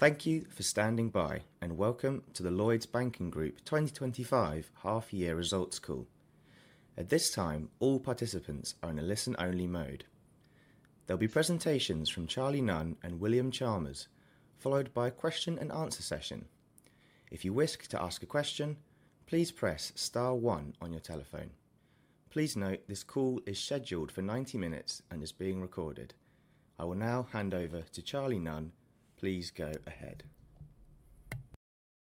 Thank you for standing by and welcome to the Lloyds Banking Group 2025 Half Year Results call. At this time, all participants are in a listen only mode. There'll be presentations from Charlie Nunn and William Chalmers, followed by a question and answer session. If you wish to ask a question, please press star one on your telephone. Please note this call is scheduled for 90 minutes and is being recorded. I will now hand over to Charlie Nunn. Please go ahead.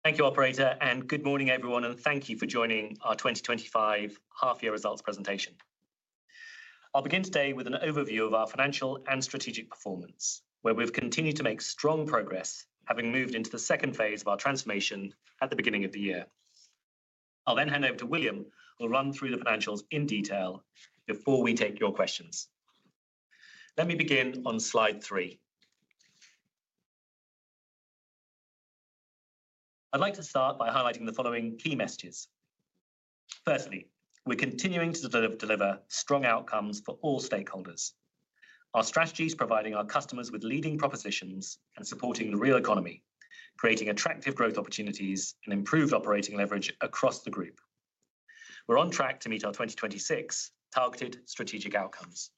Thank you operator and good morning everyone and thank you for joining our 2025 half year results presentation. I'll begin today with an overview of our financial and strategic performance where we've continued to make strong progress, having moved into the second phase of our transformation at the beginning of the year. I'll then hand over to William who will run through the financials in detail. Before we take your questions, let me begin on slide three. I'd like to start by highlighting the following key messages. Firstly, we're continuing to deliver strong outcomes for all stakeholders. Our strategy is providing our customers with leading propositions and supporting the real economy, creating attractive growth opportunities and improved operating leverage across the group. We're on track to meet our 2026 targeted strategic outcomes.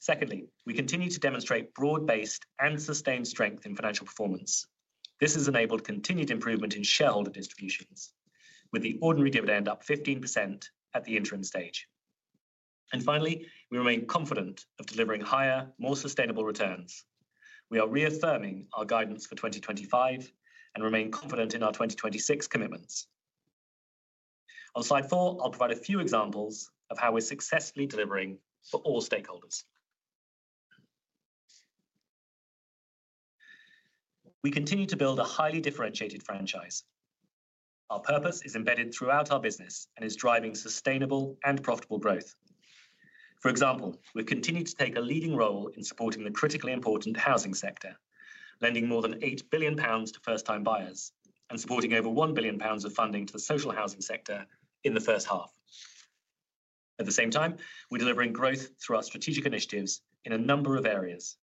Secondly, we continue to demonstrate broad based and sustained strength in financial performance. This has enabled continued improvement in shareholder distributions with the ordinary dividend up 15% at the interim stage. Finally, we remain confident of delivering higher, more sustainable returns. We are reaffirming our guidance for 2025 and remain confident in our 2026 commitments. On slide four, I'll provide a few examples of how we're successfully delivering for all stakeholders. We continue to build a highly differentiated franchise. Our purpose is embedded throughout our business and is driving sustainable and profitable growth. For example, we continue to take a leading role in supporting the critically important housing sector, lending more than 8 billion pounds to first time buyers and supporting over 1 billion pounds of funding to the social housing sector in the first half. At the same time, we're delivering growth through our strategic initiatives in a number of areas.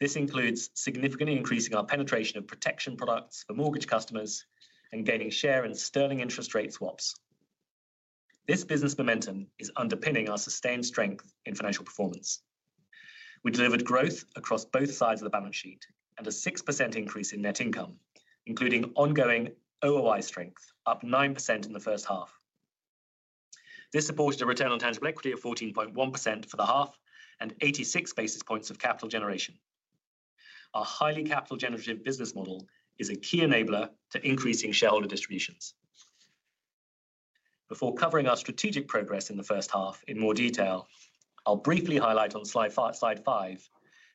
This includes significantly increasing our penetration of pROTEction products for mortgage customers and gaining share in sterling interest rate swaps. This business momentum is underpinning our sustained strength in financial performance. We delivered growth across both sides of the balance sheet and a 6% increase in net income, including ongoing OOI strength, up 9% in the first half. This supported a return on tangible equity of 14.1% for the half and 86 basis points of capital generation. Our highly capital generative business model is a key enabler to increasing shareholder distributions. Before covering our strategic progress in the first half in more detail, I'll briefly highlight on slide five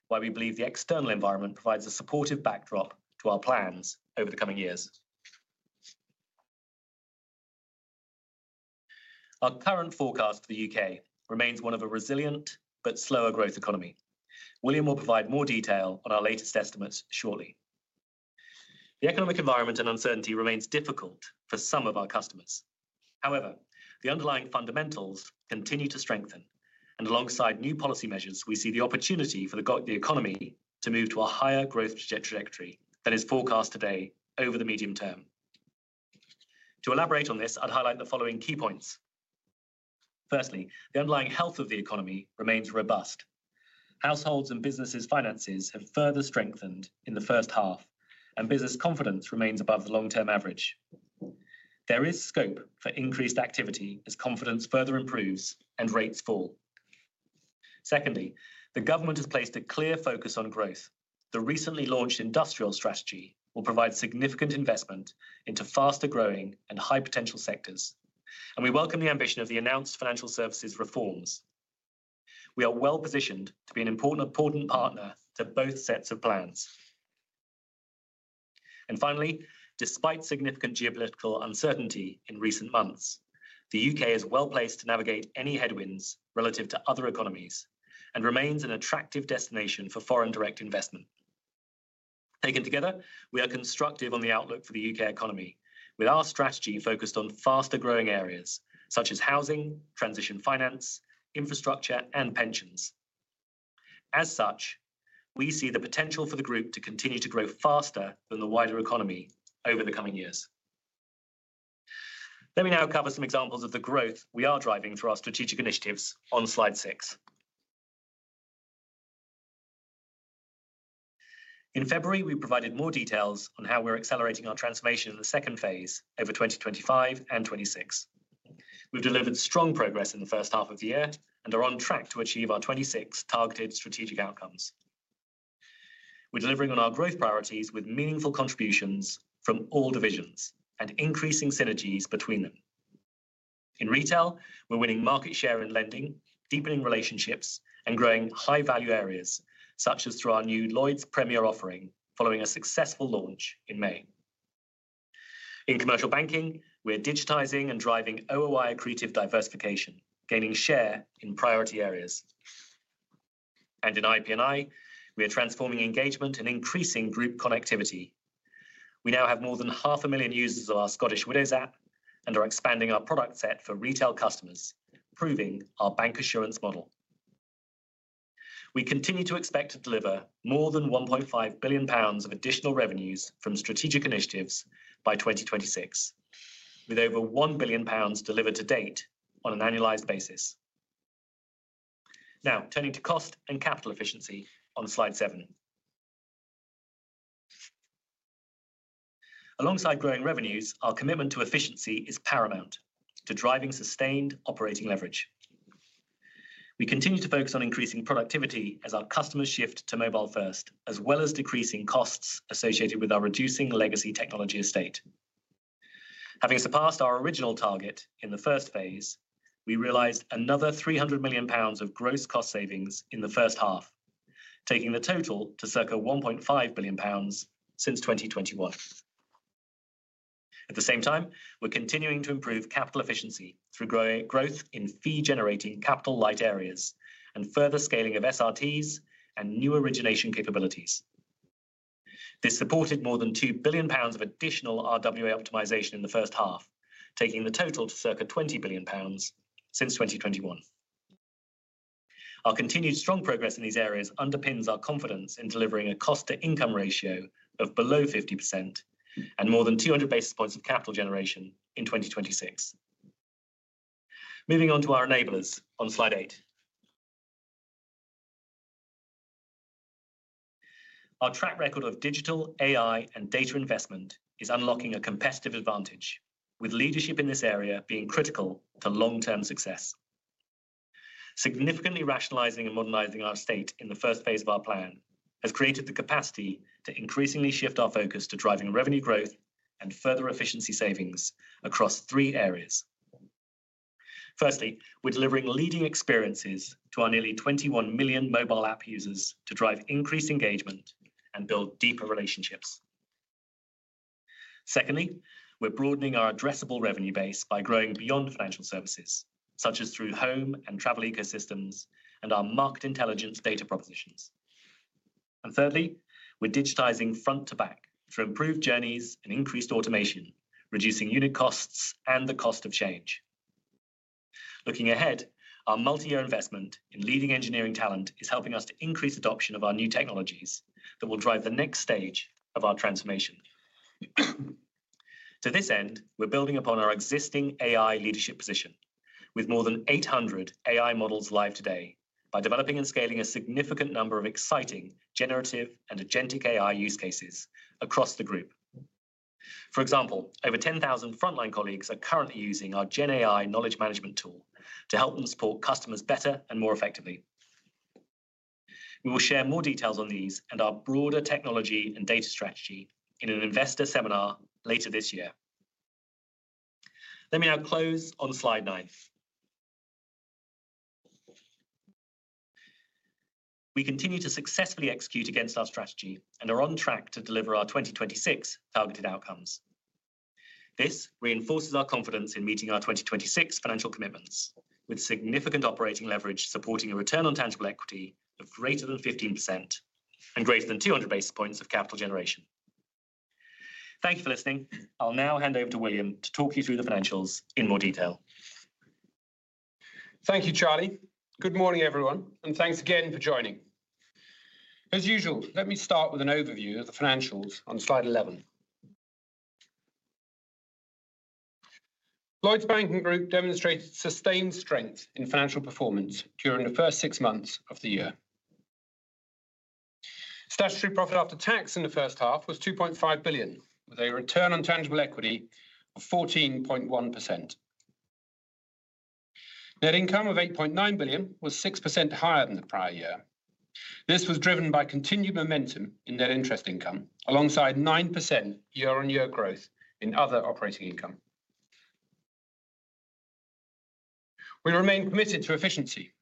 why we believe the external environment provides a supportive backdrop to our plans over the coming years. Our current forecast for the U.K. remains one of a resilient but slower growth economy. William will provide more detail on our latest estimates shortly. The economic environment and uncertainty remains difficult for some of our customers. However, the underlying fundamentals continue to strengthen and alongside new policy measures, we see the opportunity for the economy to move to a higher growth trajectory than is forecast today over the medium term. To elaborate on this, I'd highlight the following key points. Firstly, the underlying health of the economy remains robust. Households and businesses' finances have further strengthened in the first half and business confidence remains above the long-term average. There is scope for increased activity as confidence further improves and rates fall. Secondly, the Government has placed a clear focus on growth. The recently launched industrial strategy will provide significant investment into faster-growing and high-potential sectors. We welcome the ambition of the announced financial services reforms. We are well positioned to be an important partner to both sets of plans. Finally, despite significant geopolitical uncertainty in recent months, the U.K. is well placed to navigate any headwinds relative to other economies and remains an attractive destination for foreign direct investment. Taken together, we are constructive on the outlook for the U.K. economy, with our strategy focused on faster-growing areas such as housing, transition, finance, infrastructure, and pensions. As such, we see the potential for the group to continue to grow faster than the wider economy over the coming years. Let me now cover some examples of the growth we are driving through our strategic initiatives. On slide 6 in February, we provided more details on how we're accelerating our transformation in the second phase. Over 2025 and 2026, we've delivered strong progress in the first half of the year and are on track to achieve our 2026 targeted strategic outcomes. We're delivering on our growth priorities with meaningful contributions from all divisions and increasing synergies between them. In retail, we're winning market share. In lending, deepening relationships and growing high-value areas, such as through our new Lloyds Premier offering following a successful launch in May. In commercial banking, we're digitizing and driving OOI-accretive diversification, gaining share in priority areas. In IP&I, we are transforming engagement and increasing group connectivity. We now have more than 500,000 users of our Scottish Widows app and are expanding our product set for retail customers, proving our bancassurance model. We continue to expect to deliver more than 1.5 billion pounds of additional revenues from strategic initiatives by 2026, with over 1 billion pounds delivered to date on an annualized basis. Now turning to cost and capital efficiency on slide 7, alongside growing revenues, our commitment to efficiency is paramount to driving sustained operating leverage. We continue to focus on increasing productivity as our customers shift to mobile-first as well as decreasing costs associated with our reducing legacy technology estate. Having surpassed our original target in the first phase, we realized another 300 million pounds of gross cost savings in the first half, taking the total to circa 1.5 billion pounds since 2021. At the same time, we're continuing to improve capital efficiency through growth in fee-generating, capital-light areas and further scaling of SRTs and new origination capabilities. This supported more than 2 billion pounds of additional RWA optimization in the first half, taking the total to circa 20 billion pounds since 2021. Our continued strong progress in these areas underpins our confidence in delivering a cost-to-income ratio of below 50% and more than 200 basis points of capital generation in 2026. Moving on to our enablers on slide 8, our track record of digital AI and data investment is unlocking a competitive advantage with leadership in this area being critical to long-term success. Significantly rationalizing and modernizing our state in the first phase of our plan has created the capacity to increasingly shift our focus to driving revenue growth and further efficiency savings across three areas. Firstly, we're delivering leading experiences to our nearly 21 million mobile app users to drive increased engagement and build deeper relationships. Secondly, we're broadening our addressable revenue base by growing beyond financial services such as through home and travel ecosystems and our market intelligence data propositions. Thirdly, we're digitizing front to back for improved journeys and increased automation, reducing unit costs and the cost of change. Looking ahead, our multi-year investment in leading engineering talent is helping us to increase adoption of our new technologies that will drive the next stage of our transformation. To this end, we're building upon our existing AI leadership position with more than 800 AI models live today by developing and scaling a significant number of exciting generative and agentic AI use cases across the group. For example, over 10,000 frontline colleagues are currently using our GenAI knowledge management tool to help them support customers better and more effectively. We will share more details on these and our broader technology and data strategy in an investor seminar later this year. Let me now close on slide 9. We continue to successfully execute against our strategy and are on track to deliver our 2026 targeted outcomes. This reinforces our confidence in meeting our 2026 financial commitments with significant operating leverage supporting a return on tangible equity of greater than 15% and greater than 200 basis points of capital generation. Thank you for listening. I'll now hand over to William to talk you through the financials in more detail. Thank you, Charlie. Good morning everyone and thanks again for joining. As usual, let me start with an overview of the financials on slide 11. Lloyds Banking Group demonstrated sustained strength in financial performance during the first six months of the year. Statutory profit after tax in the first half was 2.5 billion with a return on tangible equity of 14.1%. Net income of 8.9 billion was 6% higher than the prior year. This was driven by continued momentum in net interest income alongside 9% year-on-year growth in other operating income. We remain committed to efficiency.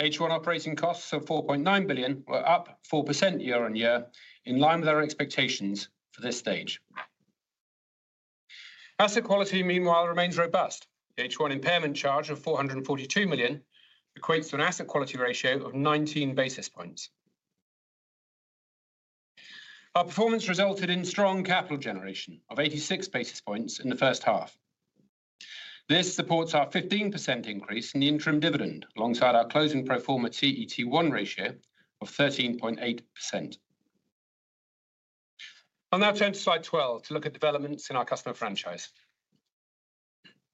H1 operating costs of 4.9 billion were up 4% year-on-year in line with our expectations for this stage. Asset quality, meanwhile, remains robust. The H1 impairment charge of 442 million equates to an asset quality ratio of 19 basis points. Our performance resulted in strong capital generation of 86 basis points in the first half. This supports our 15% increase in the interim dividend alongside our closing pro forma CET1 ratio of 13.8%. I'll now turn to slide 12 to look at developments in our customer franchise.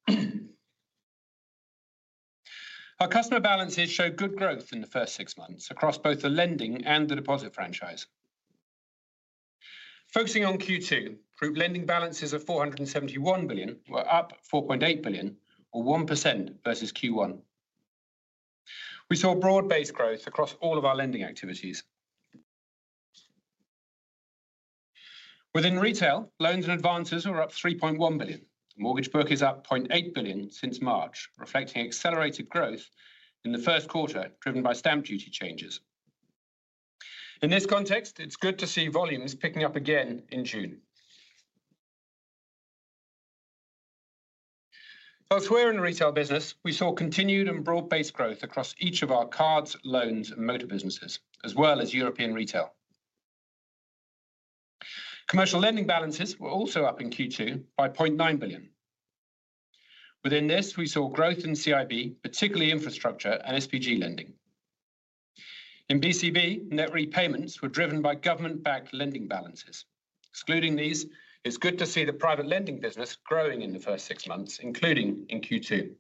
Our customer balances showed good growth in the first six months across both the lending and the deposit franchise. Focusing on Q2, group lending balances of 471 billion were up 4.8 billion or 1% versus Q1. We saw broad-based growth across all of our lending activities within retail. Loans and advances were up 3.1 billion. Mortgage book is up 0.8 billion since March, reflecting accelerated growth in the first quarter driven by stamp duty changes. In this context, it's good to see volumes picking up again in June. Elsewhere in retail business, we saw continued and broad-based growth across each of our cards, loans and motor businesses as well as European retail. Commercial lending balances were also up in Q2 by 0.9 billion. Within this, we saw growth in CIB, particularly infrastructure and SPG lending. In BCB, net repayments were driven by government-backed lending balances. Excluding these, it's good to see the private lending business growing in the first six months including in Q2.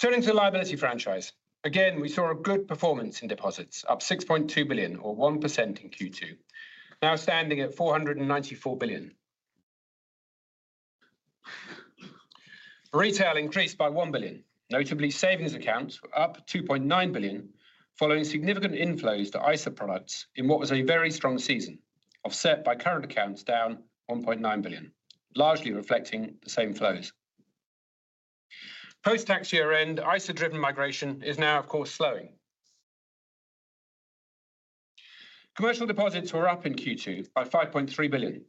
Turning to the liability franchise again, we saw a good performance in deposits, up $6.2 billion or 1% in Q2, now standing at $494 billion. Retail increased by $1 billion, notably savings accounts up $2.9 billion. Following significant inflows to ISA products in what was a very strong season offset by current accounts down $1.9 billion, largely reflecting the same flows post tax year. End ISA-driven migration is now of course slowing. Commercial deposits were up in Q2 by $5.3 billion.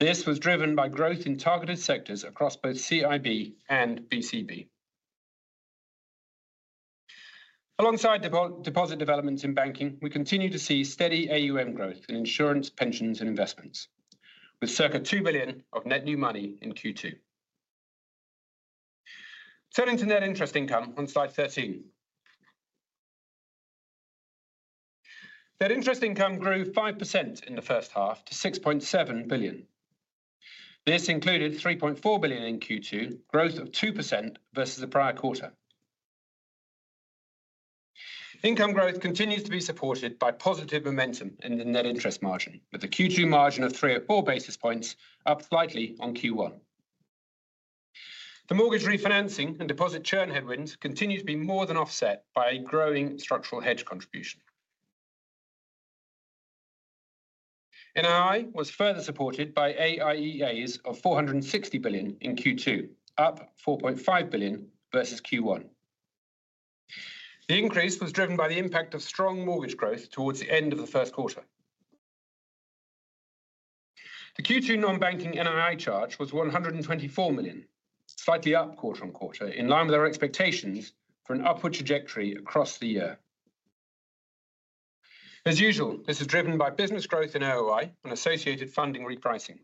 This was driven by growth in targeted sectors across both CIB and BCB. Alongside deposit developments in banking, we continue to see steady AUM growth in insurance, pensions and investments with circa $2 billion of net new money in Q2. Turning to net interest income on slide 13, net interest income grew 5% in the first half to $6.7 billion. This included $3.4 billion in Q2, growth of 2% versus the prior quarter. Income growth continues to be supported by positive momentum in the net interest margin, with a Q2 margin of 304 basis points, up slightly on Q1. The mortgage refinancing and deposit churn headwinds continue to be more than offset by a growing structural hedge contribution. NII was further supported by c of 460 billion in Q2, up 4.5 billion versus Q1. The increase was driven by the impact of strong mortgage growth towards the end of the first quarter. The Q2 non-banking NII charge was 124 million, slightly up quarter on quarter, in line with our expectations for an upward trajectory across the year. As usual, this is driven by business growth in OOI and associated funding repricing.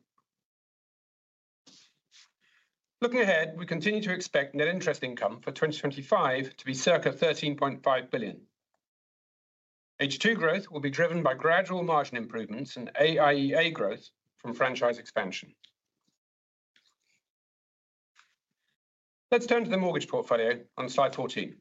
Looking ahead, we continue to expect net interest income for 2025 to be circa 13.5 billion. H2 growth will be driven by gradual margin improvements and AIEA growth from franchise expansion. Let's turn to the mortgage portfolio on slide 14.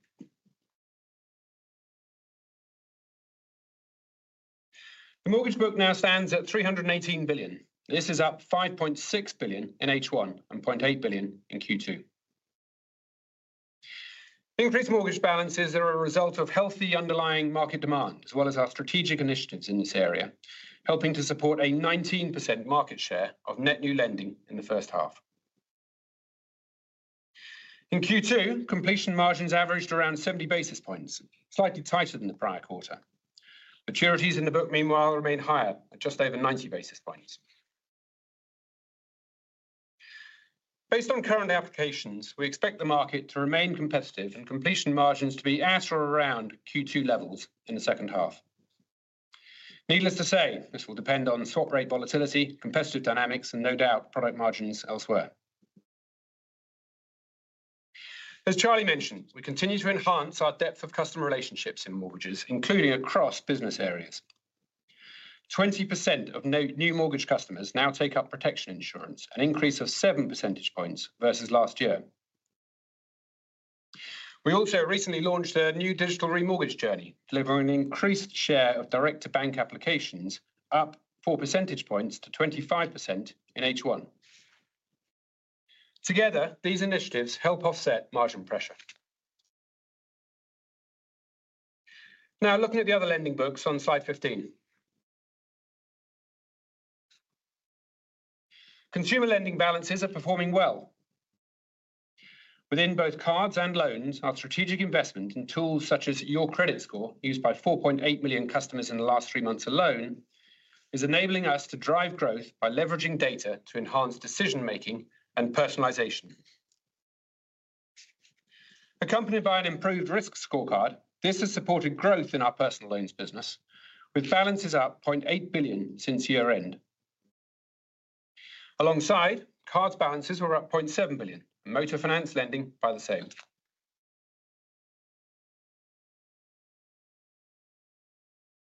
The mortgage book now stands at 318 billion. This is up 5.6 billion in H1 and 0.8 billion in Q2. Increased mortgage balances are a result of healthy underlying market demand as well as our strategic initiatives in this area, helping to support a 19% market share of net new lending in the first half. In Q2, completion margins averaged around 70 basis points, slightly tighter than the prior quarter. Maturities in the book, meanwhile, remain higher at just over 90 basis points. Based on current applications, we expect the market to remain competitive and completion margins to be at or around Q2 levels in the second half. Needless to say, this will depend on swap rate volatility, competitive dynamics, and no doubt product margins elsewhere. As Charlie Nunn mentioned, we continue to enhance our depth of customer relationships in mortgages, including across business areas. 20% of new mortgage customers now take up pROTEction insurance, an increase of 7 percentage points versus last year. We also recently launched a new digital remortgage journey, delivering an increased share of direct to bank applications, up 4 percentage points to 25% in H1. Together, these initiatives help offset margin pressure. Now looking at the other lending books on slide 15, consumer lending balances are performing well within both cards and loans. Our strategic investment in tools such as Your Credit Score, used by 4.8 million customers in the last three months alone, is enabling us to drive growth by leveraging data to enhance decision making and personalization, accompanied by an improved risk scorecard. This has supported growth in our personal loans business, with balances up 0.8 billion since year end. Alongside, cards balances were up 0.7 billion and motor finance lending by the same.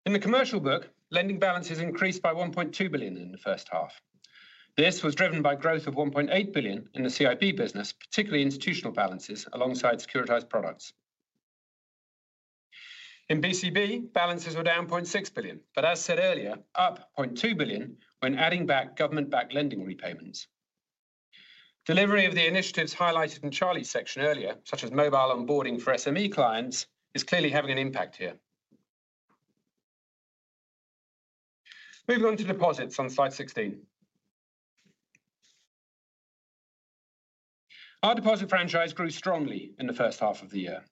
In the commercial book, lending balances increased by 1.2 billion in the first half. This was driven by growth of 1.8 billion in the CIB business, particularly institutional balances alongside securitized products. In BCB, balances were down $0.6 billion but as said earlier, up $0.2 billion when adding back government-backed lending repayments. Delivery of the initiatives highlighted in Charlie's section earlier, such as mobile onboarding for SME clients, is clearly having an impact here. Moving on to deposits on Slide 16, our deposit franchise grew strongly in the first half of the year.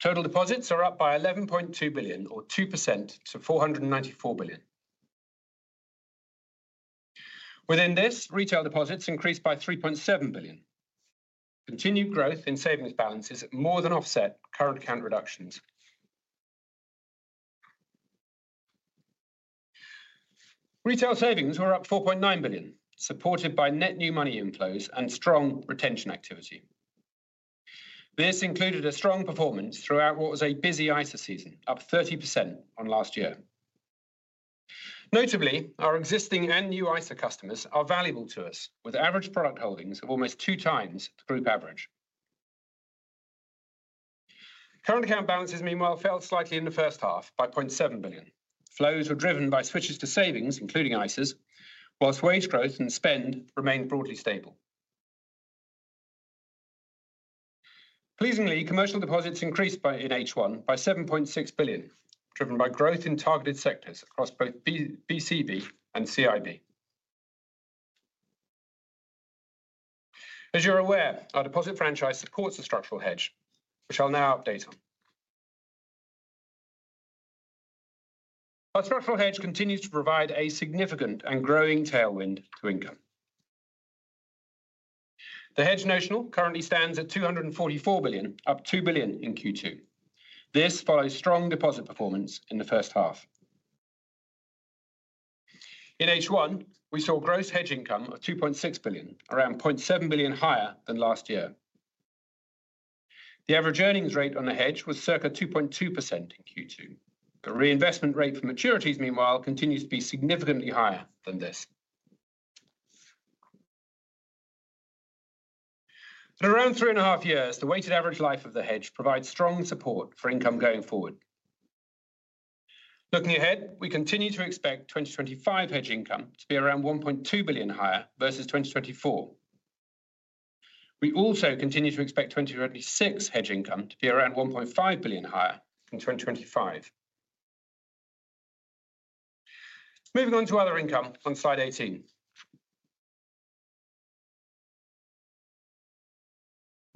Total deposits are up by 11.2 billion or 2% to 494 billion. Within this, retail deposits increased by 3.7 billion. Continued growth in savings balances more than offset current account reductions. Retail savings were up 4.9 billion, supported by net new money inflows and strong retention activity. This included a strong performance throughout what was a busy ISA season, up 30% on last year. Notably, our existing and new ISA customers are valuable to us with average product holdings of almost two times the group. Average current account balances meanwhile fell slightly in the first half by 0.7 billion. Flows were driven by switches to savings, including ISAs, whilst wage growth and spend remained broadly stable. Pleasingly, commercial deposits increased in H1 by 7.6 billion, driven by growth in targeted sectors across both BCB and CIB. As you're aware, our deposit franchise supports the structural hedge which I'll now update on. Our structural hedge continues to provide a significant and growing tailwind to income. The hedge notional currently stands at 244 billion, up 2 billion in Q2. This follows strong deposit performance in the first half. In H1 we saw gross hedge income of 2.6 billion, around 0.7 billion higher than last year. The average earnings rate on the hedge was circa 2.2% in Q2. The reinvestment rate for maturities meanwhile continues to be significantly higher than this. At around three and a half years. The weighted average life of the hedge provides strong support for income going forward. Looking ahead, we continue to expect 2025 hedge income to be around 1.2 billion higher versus 2024. We also continue to expect 2026 hedge income to be around 1.5 billion higher in 2025. Moving on to other income on slide 18,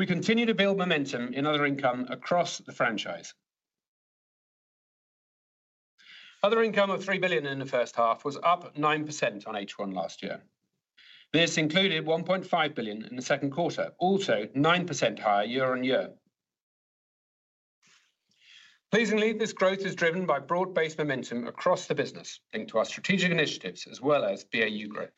we continue to build momentum in other income across the franchise. Other income of $3 billion in the first half was up 9% on H1 last year. This included $1.5 billion in the second quarter, also 9% higher year on year. Pleasingly, this growth is driven by broad-based momentum across the business linked to our strategic initiatives as well as BAU growth.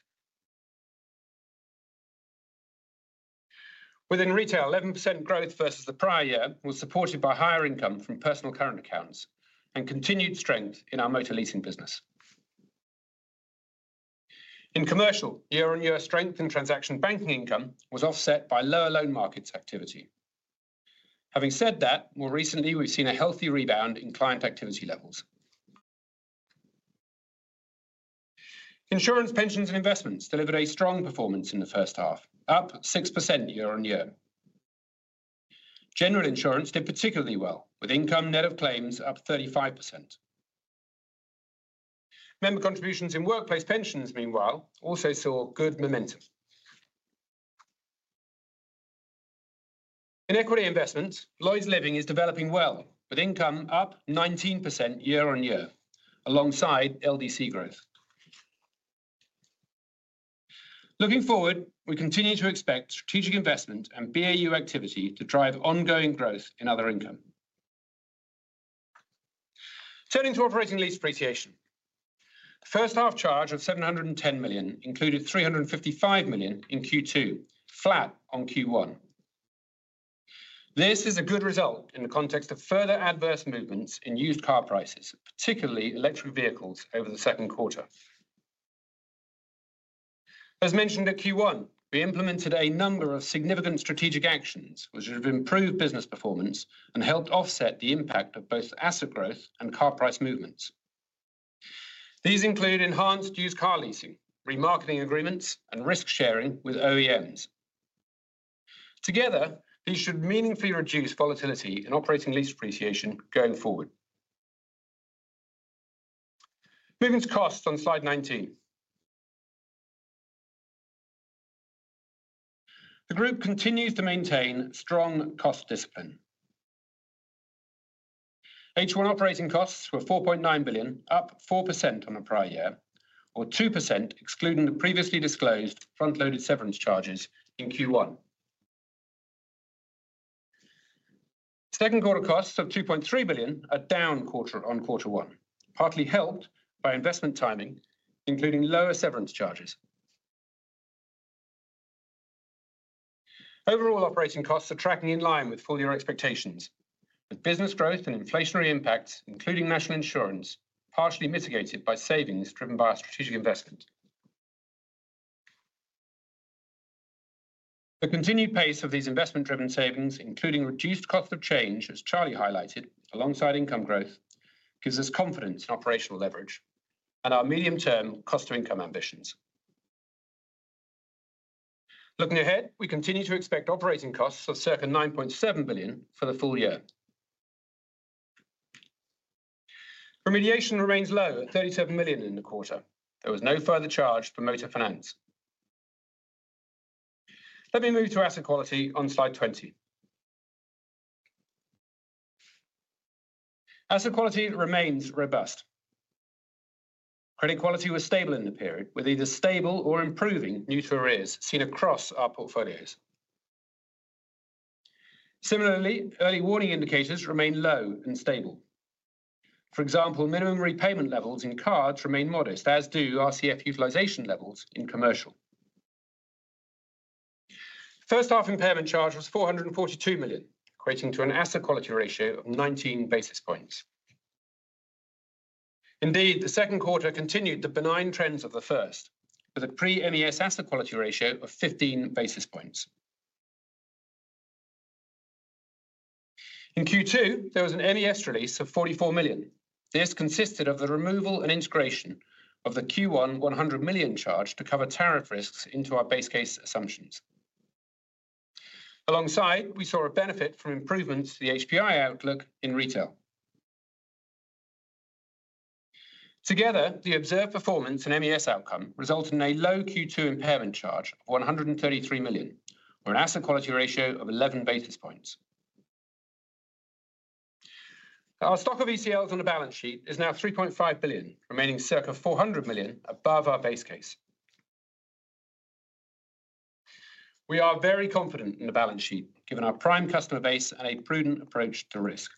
Within retail, 11% growth versus the prior year was supported by higher income from personal current accounts and continued strength in our motor leasing business. In commercial, year on year strength in transaction banking income was offset by lower loan markets activity. Having said that, more recently we have seen a healthy rebound in client activity levels. Insurance, pensions and investments delivered a strong performance in the first half, up 6% year on year. General insurance did particularly well with income net of claims up 35%. Member contributions in workplace pensions, meanwhile, also saw good momentum in equity investments. Lloyds Living is developing well with income up 19% year on year alongside LDC growth. Looking forward, we continue to expect strategic investment and BAU activity to drive ongoing growth in other income. Turning to operating lease depreciation, the first half charge of 710 million included 355 million in Q2, flat on Q1. This is a good result in the context of further adverse movements in used car prices, particularly electric vehicles over the second quarter. As mentioned at Q1, we implemented a number of significant strategic actions which have improved business performance and helped offset the impact of both asset growth and car price movements. These include enhanced used car leasing, remarketing agreements and risk sharing with OEMs. Together these should meaningfully reduce volatility in operating lease depreciation going forward. Moving to costs on slide 19. The group continues to maintain strong cost discipline. H1 operating costs were 4.9 billion, up 4% on the prior year or 2% excluding the previously disclosed front loaded severance charges in Q1. Second quarter costs of 2.3 billion are down on quarter one, partly helped by investment timing including lower severance charges. Overall operating costs are tracking in line with full year expectations with business growth and inflationary impacts including national insurance partially mitigated by savings driven by our strategic investment. The continued pace of these investment driven savings including reduced cost of change as Charlie highlighted alongside income growth gives us confidence in operational leverage and our medium term cost to income ambitions. Looking ahead, we continue to expect operating costs of circa 9.7 billion for the full year. Remediation remains low at 37 million in the quarter. There was no further charge for motor finance. Let me move to asset quality on slide 20. Asset quality remains robust. Credit quality was stable in the period with either stable or improving new to arrears seen across our portfolios. Similarly, early warning indicators remain low and stable. For example, minimum repayment levels in cards remain modest as do RCF utilization levels in commercial. First half impairment charge was 442 million equating to an asset quality ratio of 19 basis points. Indeed, the second quarter continued the benign trends of the first with a pre MES asset quality ratio of 15 basis points. In Q2 there was an MES release of 44 million. This consisted of the removal and integration of the Q1 100 million charge to cover tariff risks into our base case assumptions. Alongside we saw a benefit from improvements to the HPI outlook in retail. Together the observed performance and MES outcome resulted in a low Q2 impairment charge of 133 million or an asset quality ratio of 11 basis points. Our stock of ECL on the balance sheet is now 3.5 billion, remaining circa 400 million above our base case. We are very confident in the balance sheet given our prime customer base and a prudent approach to risk.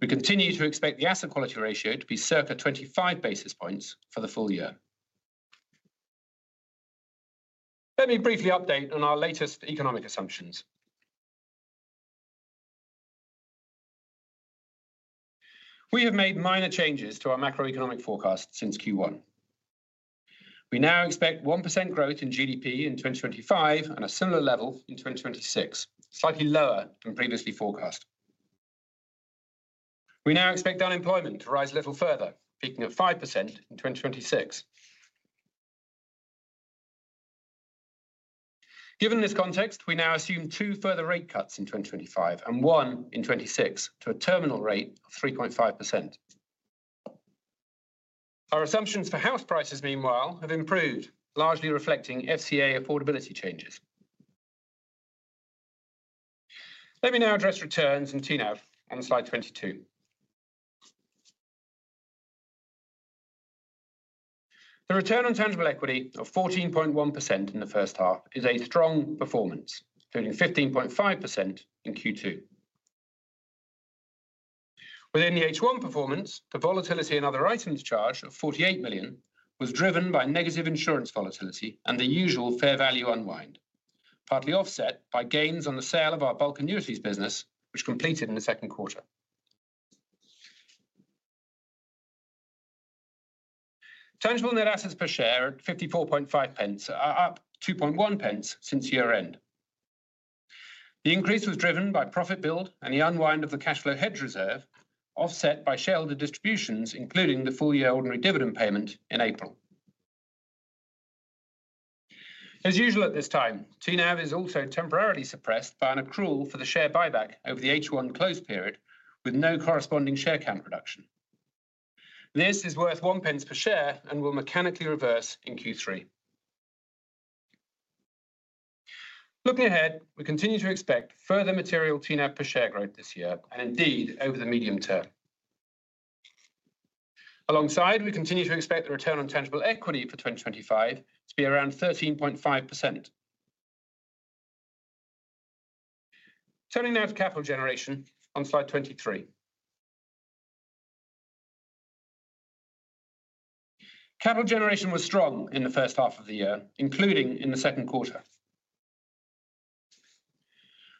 We continue to expect the asset quality ratio to be circa 25 basis points for the full year. Let me briefly update on our latest economic assumptions. We have made minor changes to our macroeconomic forecast since Q1. We now expect 1% growth in GDP in 2025 and a similar level in 2026, slightly lower than previously forecast. We now expect unemployment to rise a little further, peaking at 5% in 2026. Given this context, we now assume two further rate cuts in 2025 and one in 2026 to a terminal rate of 3.5%. Our assumptions for house prices meanwhile have improved, largely reflecting FCA affordability changes. Let me now address returns and TNAV on slide 22. The return on tangible equity of 14.1% in the first half is a strong performance including 15.5% in Q2 within the H1 performance. The volatility and other items. Charge of 48 million was driven by negative insurance volatility and the usual fair value unwind, partly offset by gains on the sale of our bulk annuities business which completed in the second quarter. Tangible net assets per share at 54.5 are up 2.1 since year end. The increase was driven by profit build and the unwind of the cash flow hedge reserve offset by shareholder distributions including the full year ordinary dividend payment in April as usual. At this time TNAV is also temporarily suppressed by an accrual for the share buyback over the H1 close period with no corresponding share count reduction. This is worth 0.1 per share and will mechanically reverse in Q3. Looking ahead, we continue to expect further material TNAV per share growth this year and indeed over the medium term. Alongside, we continue to expect the return on tangible equity for 2025 to be around 13.5%. Turning now to capital generation on Slide 23, capital generation was strong in the first half of the year, including in the second quarter.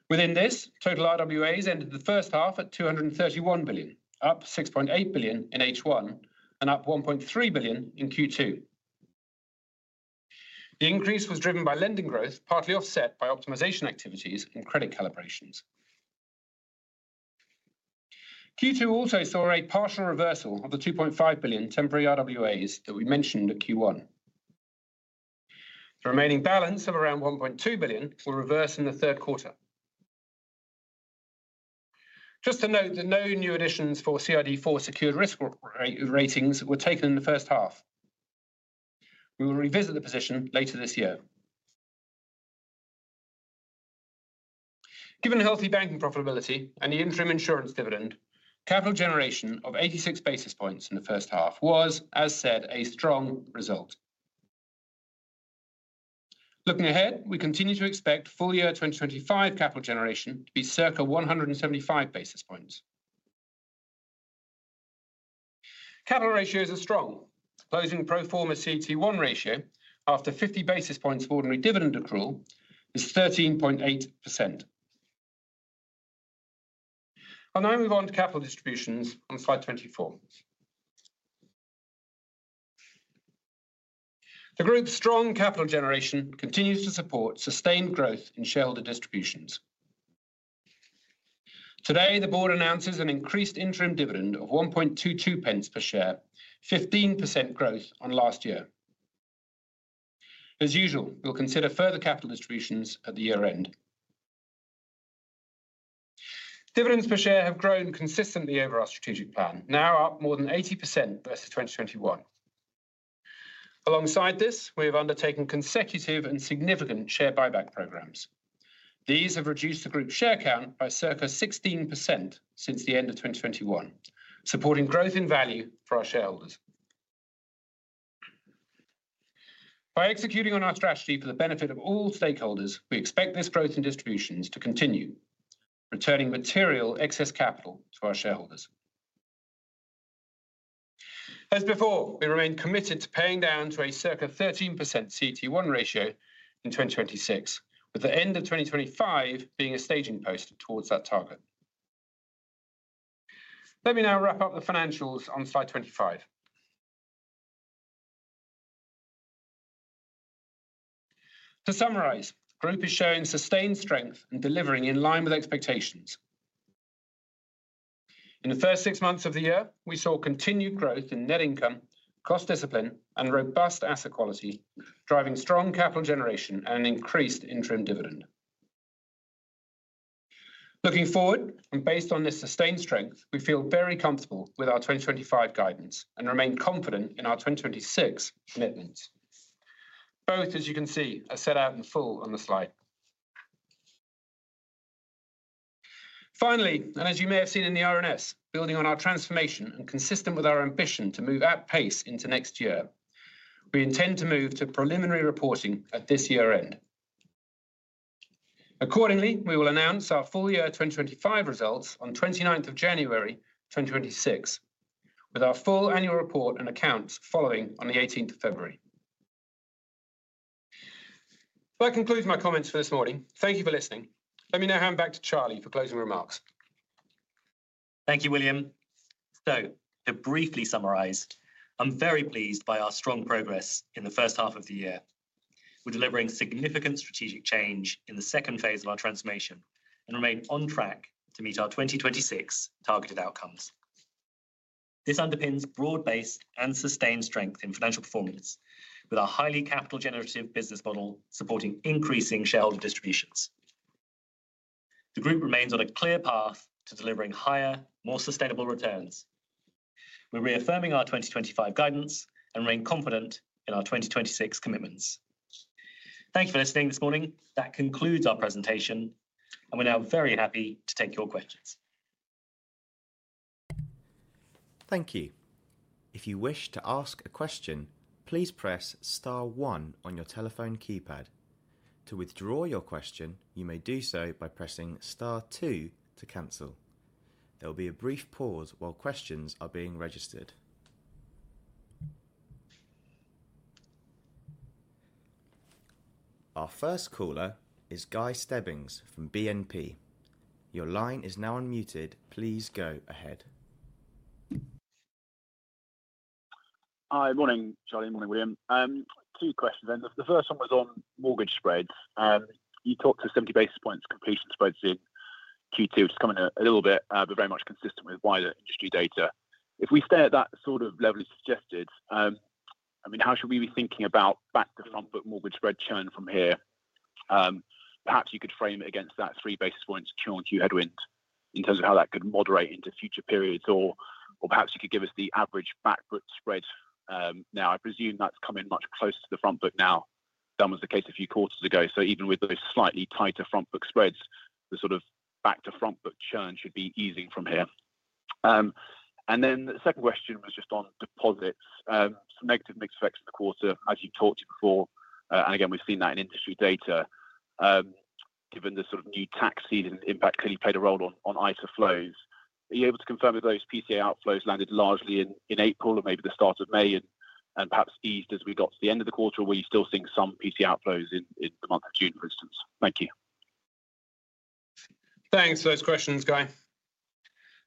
Within this total, RWAs ended the first half at 231 billion, up 6.8 billion in H1 and up 1.3 billion in Q2. The increase was driven by lending growth partly offset by optimization activities and credit calibrations. Q2 also saw a partial reversal of the 2.5 billion temporary RWAs that we mentioned at Q1. The remaining balance of around 1.2 billion will reverse in the third quarter. Just to note that no new additions for CID4 secured risk ratings were taken in the first half. We will revisit the position later this year. Given healthy banking profitability and the interim insurance dividend, capital generation of 86 basis points in the first half was, as said, a strong result. Looking ahead, we continue to expect full year 2025 capital generation to be circa 175 basis points. Capital ratios are strong, closing pro forma CET1 ratio after 50 basis points of ordinary dividend accrual is 13.8%. I'll now move on to capital distributions on Slide 24. The group's strong capital generation continues to support sustained growth in shareholder distributions. Today the Board announces an increased interim dividend of 1.22 per share, 15% growth on last year. As usual, we will consider further capital distributions at the year end. Dividends per share have grown consistently over our strategic plan, now up more than 80% versus 2021. Alongside this, we have undertaken consecutive and significant share buyback programs. These have reduced the group share count by circa 16% since the end of 2021, supporting growth in value for our shareholders by executing on our strategy for the benefit of all stakeholders. We expect this growth in distributions to continue, returning material excess capital to our shareholders. As before, we remain committed to paying down to a circa 13% CET1 ratio in 2026 with the end of 2025 being a staging post towards that target. Let me now wrap up the Financials on Slide 25. To summarize, group is showing sustained strength and delivering in line with expectations. In the first six months of the year, we saw continued growth in net income, cost discipline and robust asset quality driving strong capital generation and an increased interim dividend. Looking forward and based on this sustained strength, we feel very comfortable with our 2025 guidance and remain confident in our 2026 commitments. Both, as you can see, are set out in full on the slide. Finally, and as you may have seen in the RNS, building on our transformation and consistent with our ambition to move at pace into next year, we intend to move to preliminary reporting at this year end. Accordingly, we will announce our full year 2025 results on 29th of January 2026 with our full annual report and accounts following on the 18th of February. That concludes my comments for this morning. Thank you for listening. Let me now hand back to Charlie for closing remarks. Thank you, William. To briefly summarize, I'm very pleased by our strong progress in the first half of the year. We're delivering significant strategic change in the second phase of our transformation and remain on track to meet our 2026 targeted outcomes. This underpins broad-based and sustained strength in financial performance. With our highly capital-generative business model supporting increasing shareholder distributions, the group remains on a clear path to delivering higher, more sustainable returns. We're reaffirming our 2025 guidance and remain confident in our 2026 commitments. Thank you for listening this morning. That concludes our presentation and we're now very happy to take your questions. Thank you. If you wish to ask a question, please press star one on your telephone keypad. To withdraw your question, you may do so by pressing star two to cancel. There will be a brief pause while questions are being registered. Our first caller is Guy Stebbings from BNP. Your line is now unmuted. Please go ahead. Hi. Morning, Charlie. Morning, William. Two questions. The first one was on mortgage spreads. You talked to 70 basis points completion spreads in Q2, which is coming a little bit, but very much consistent with wider industry data. If we stay at that sort of level suggested. I mean, how should we be thinking about back to front book mortgage spread churn from here? Perhaps you could frame it against that 3 basis points Q headwind in terms of how that could moderate into future periods. Or perhaps you could give us the average back book spread now. I presume that's coming much closer to the front book now than was the case a few quarters ago. Even with those slightly tighter front book spreads, the sort of back to front book churn should be easing from here. The second question was just on deposits, some negative mix effects in the quarter as you talked to before and again we've seen that in industry data. Given the sort of new tax season impact clearly played a role on ISA flows. Are you able to confirm that those PCA outflows landed largely in April or maybe the start of May and perhaps eased as we got to the end of the quarter? Were you still seeing some PCA outflows in the month of June for instance? Thank you. Thanks for those questions, Guy.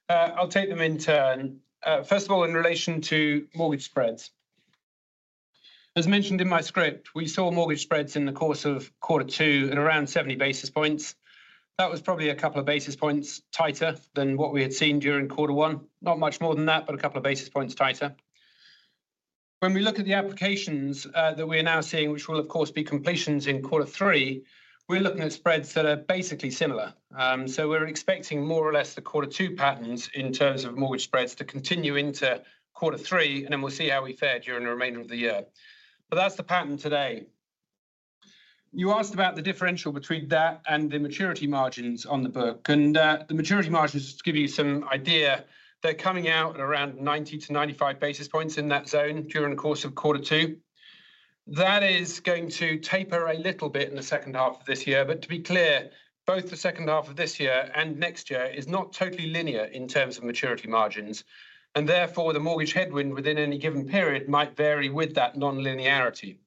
I'll take them in turn. First of all, in relation to mortgage spreads, as mentioned in my script, we saw mortgage spreads in the course of quarter two at around 70 basis points. That was probably a couple of basis points tighter than what we had seen during quarter one. Not much more than that, but a couple of basis points tighter. When we look at the applications that we are now seeing, which will of course be completions in quarter three, we're looking at spreads that are basically similar. We are expecting more or less the quarter two patterns in terms of mortgage spreads to continue into quarter three and then we will see how we fare during the remainder of the year. That is the pattern today. You asked about the differential between that and the maturity margins on the book and the maturity margins give you some idea. They are coming out at around 90-95 basis points in that zone during the course of quarter two. That is going to taper a little bit in the second half of this year. To be clear, both the second half of this year and next year is not totally linear in terms of maturity margins and therefore the mortgage headwind within any given period might vary with that non-linearity.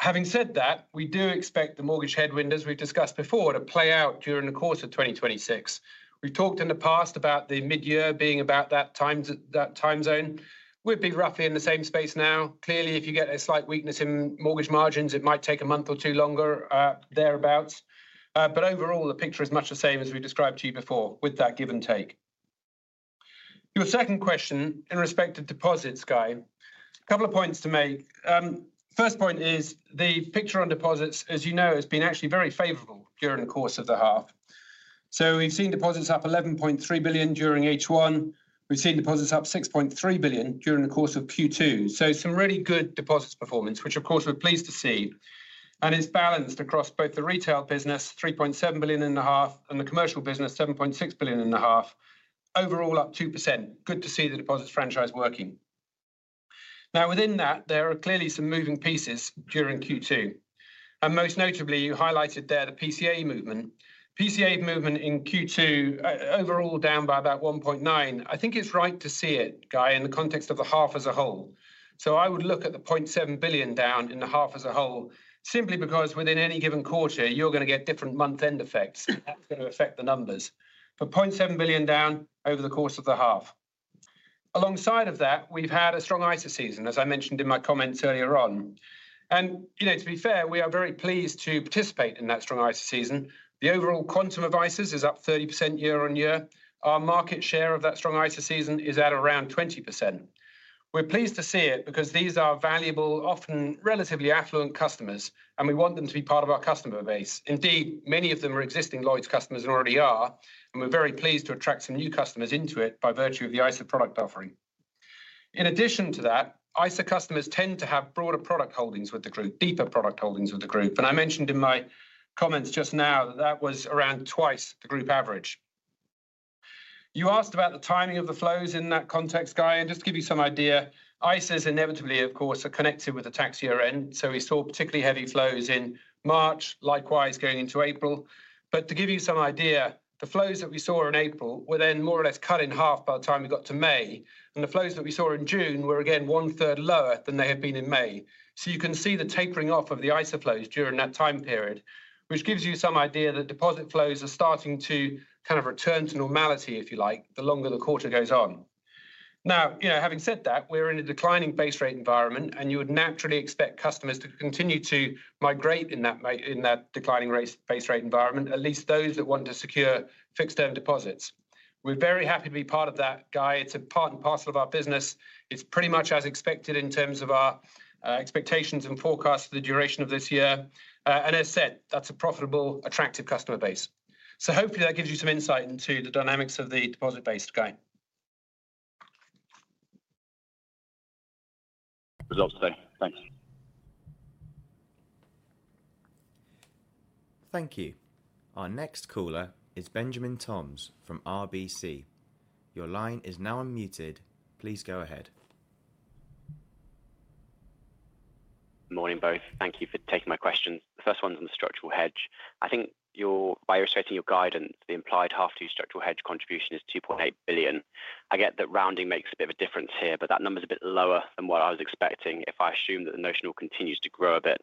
Having said that, we do expect the mortgage headwind as we have discussed before, to play out during the course of 2026. We have talked in the past about the mid year being about that time zone, would be roughly in the same space. Now clearly if you get a slight weakness in mortgage margins, it might take a month or two longer thereabouts. Overall the picture is much the same as we described to you before, with that give and take. Your second question in respect to deposits, Guy, a couple of points to make. First point is the picture on deposits, as you know, has been actually very favorable during the course of the half. We have seen deposits up 11.3 billion during H1. We have seen deposits up 6.3 billion during the course of Q2. Some really good deposits performance, which of course we are pleased to see. It is balanced across both the retail business, 3.7 billion in the half, and the commercial business, 7.6 billion in the half, overall up 2%. Good to see the deposits franchise working. Now within that there are clearly some moving pieces during Q2 and most notably you highlighted there the PCA movement. PCA movement in Q2 overall down by about 1.9 billion. I think it is right to see it, Guy, in the context of the half as a whole. I would look at the 0.7 billion down in the half as a whole simply because within any given quarter you are going to get different month end effects. That is going to affect the numbers. 0.7 billion down over the course of the half. Alongside of that, we've had a strong ISA season, as I mentioned in my comments earlier on, and to be fair, we are very pleased to participate in that strong ISA season. The overall quantum of ISAs is up 30% year on year. Our market share of that strong ISA season is at around 20%. We're pleased to see it because these are valuable, often relatively affluent customers and we want them to be part of our customer base. Indeed, many of them are existing Lloyds customers and already are. We're very pleased to attract some new customers into it by virtue of the ISA product offering. In addition to that, ISA customers tend to have broader product holdings with the group, deeper product holdings with the group, and I mentioned in my comments just now that was around twice the group average. You asked about the timing of the flows in that context, Guy, and just to give you some idea. ISAs inevitably of course are connected with the tax year end. We saw particularly heavy flows in March, likewise going into April. To give you some idea, the flows that we saw in April were then more or less cut in half by the time we got to May, and the flows that we saw in June were again one third lower than they had been in May. You can see the tapering off of the ISA flows during that time period, which gives you some idea that deposit flows are starting to kind of return to normality if you like, the longer the quarter goes on. Now, having said that, we're in a declining base rate environment and you would naturally expect customers to continue to migrate in that declining base rate environment, at least those that want to secure fixed term deposits. We're very happy to be part of that, Guy. It's a part and parcel of our business. It's pretty much as expected in terms of our expectations and forecasts for the duration of this year. As said, that's a profitable, attractive customer base. Hopefully that gives you some insight into the dynamics of the deposit base, Guy. Results today. Thanks. Thank you. Our next caller is Benjamin Toms from RBC. Your line is now unmuted. Please go ahead. Morning both. Thank you for taking my questions. The first one's on the structural hedge. I think by restating your guidance, the implied half two structural hedge contribution is 2.8 billion. I get that rounding makes a bit of a difference here, but that number is a bit lower than what I was expecting if I assume that the notional continues to grow a bit.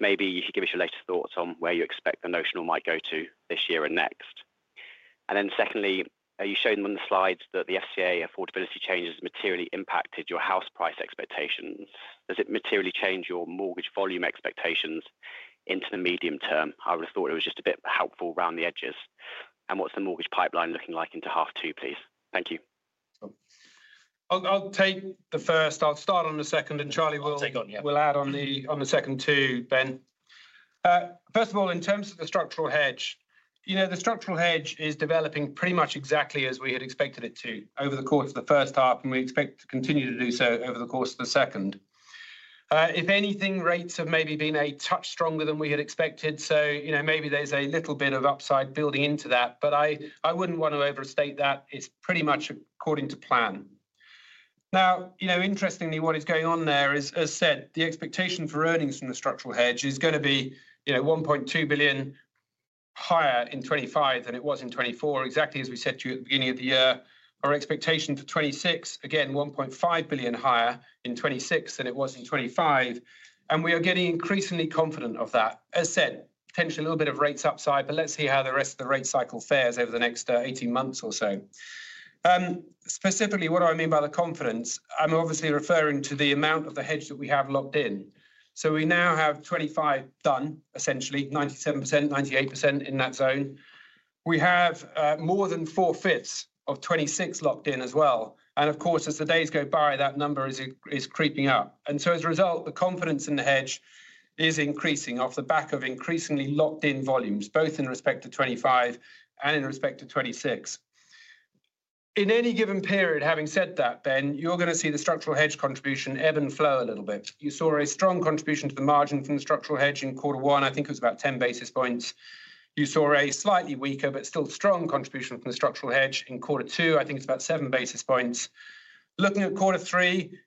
Maybe you could give us your latest thoughts on where you expect the notional might go to this year and next. Secondly, you showed on the slides that the FCA affordability change has materially impacted your house price expectations. Does it materially change your mortgage volume expectations into the medium term? I would have thought it was just a bit helpful around the edges. What's the mortgage pipeline looking like into half two, please? Thank you. I'll take the first, I'll start on the second and Charlie will add on the second two. Ben, first of all, in terms of the structural hedge, you know, the structural hedge is developing pretty much exactly as we had expected it to over the course of the first half, and we expect to continue to do so over the course of the second. If anything, rates have maybe been a touch stronger than we had expected. You know, maybe there's a little bit of upside building into that, but I wouldn't want to overstate that. It's pretty much according to plan. Now, interestingly, what is going on there is, as said, the expectation for earnings from the structural hedge is going to be 1.2 billion higher in 2025 than it was in 2024. Exactly as we said to you at the beginning of the year, our expectation for 2026, again, 1.5 billion higher in 2026 than it was in 2025. And we are getting increasingly confident of that as said, potentially a little bit of rates upside, but let's see how the rest of the rate cycle fares over the next 18 months or so. Specifically, what do I mean by the confidence? I'm obviously referring to the amount of the hedge that we have locked in. We now have 2025 done, essentially 97%-98% in that zone. We have more than 4/5 of 2026 locked in as well. Of course as the days go by, that number is creeping up. As a result the confidence in the hedge is increasing off the back of increasingly locked in volumes both in respect to 2025 and in respect to 2026 in any given period. Having said that, Ben, you're going to see the structural hedge contribution ebb and flow a little bit. You saw a strong contribution to the margin from the structural hedge. Quarter one, I think it was about 10 basis points. You saw a slightly weaker but still strong contribution from the structural hedge in quarter two, I think it's about seven basis points. Looking at quarter three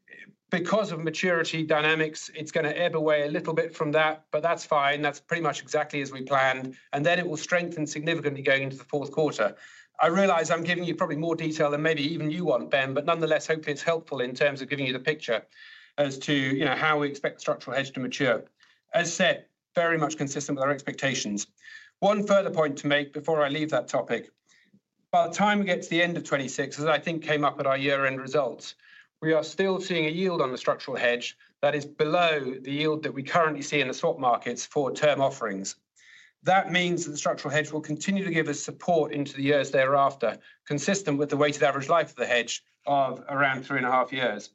because of maturity dynamics, it's going to ebb away a little bit from that. That's fine. That's pretty much exactly as we planned and then it will strengthen significantly going into the fourth quarter. I realize I'm giving you probably more detail than maybe even you want, Ben, but nonetheless hope it's helpful in terms of giving you the picture as to how we expect the structural hedge to mature. As said, very much consistent with our expectations. One further point to make before I leave that topic. By the time we get to the end of 2026, as I think came up at our year end results, we are still seeing a yield on the structural hedge that is below the yield that we currently see in the swap markets for term offerings. That means that the structural hedge will continue to give us support into the years thereafter, consistent with the weighted average life of the hedge of around three and a half years.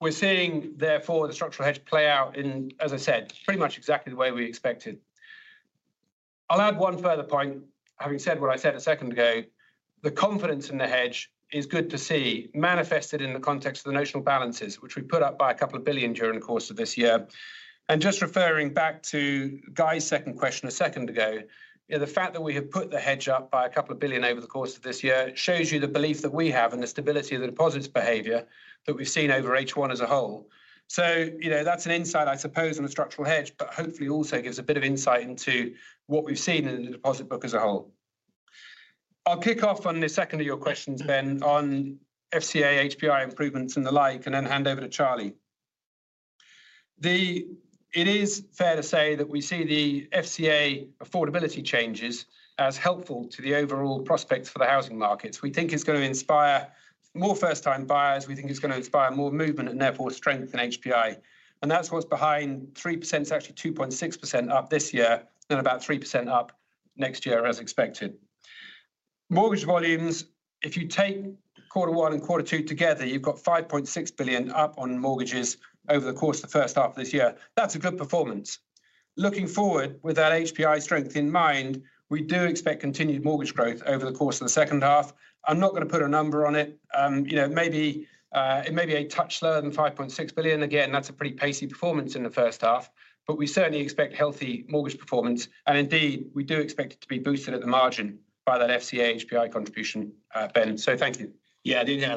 We are seeing therefore the structural hedge play out, as I said, pretty much exactly the way we expected. I'll add one further point. Having said what I said a second ago, the confidence in the hedge is good to see manifested in the context of the notional balances which we put up by a couple of billion during the course of this year. Just referring back to Guy's second question a second ago, the fact that we have put the hedge up by a couple of billion over the course of this year shows you the belief that we have in the stability of the deposits behavior that we've seen over H1 as a whole. You know, that's an insight, I suppose, on a structural hedge, but hopefully also gives a bit of insight into what we've seen in the deposit book as a whole. I'll kick off on the second of your questions, Ben, on FCA HPI improvements and the like and then hand over to Charlie. It is fair to say that we see the FCA affordability changes as helpful to the overall prospects for the housing markets. We think it's going to inspire more first time buyers, we think it's going to inspire more movement and therefore strength in HPI. That's what's behind 3%. It's actually 2.6% up this year and about 3% up next year as expected mortgage volumes. If you take quarter one and quarter two together, you've got 5.6 billion up on mortgages over the course of the first half of this year. That's a good performance. Looking forward, with that HPI strength in mind, we do expect continued mortgage growth over the course of the second half. I'm not going to put a number on, may be a touch slower than 5.6 billion. Again, that's a pretty pacey performance in the first half. We certainly expect healthy mortgage performance and indeed we do expect it to be boosted at the margin by that FCA HPI contribution, Ben. Thank you. Yeah, anything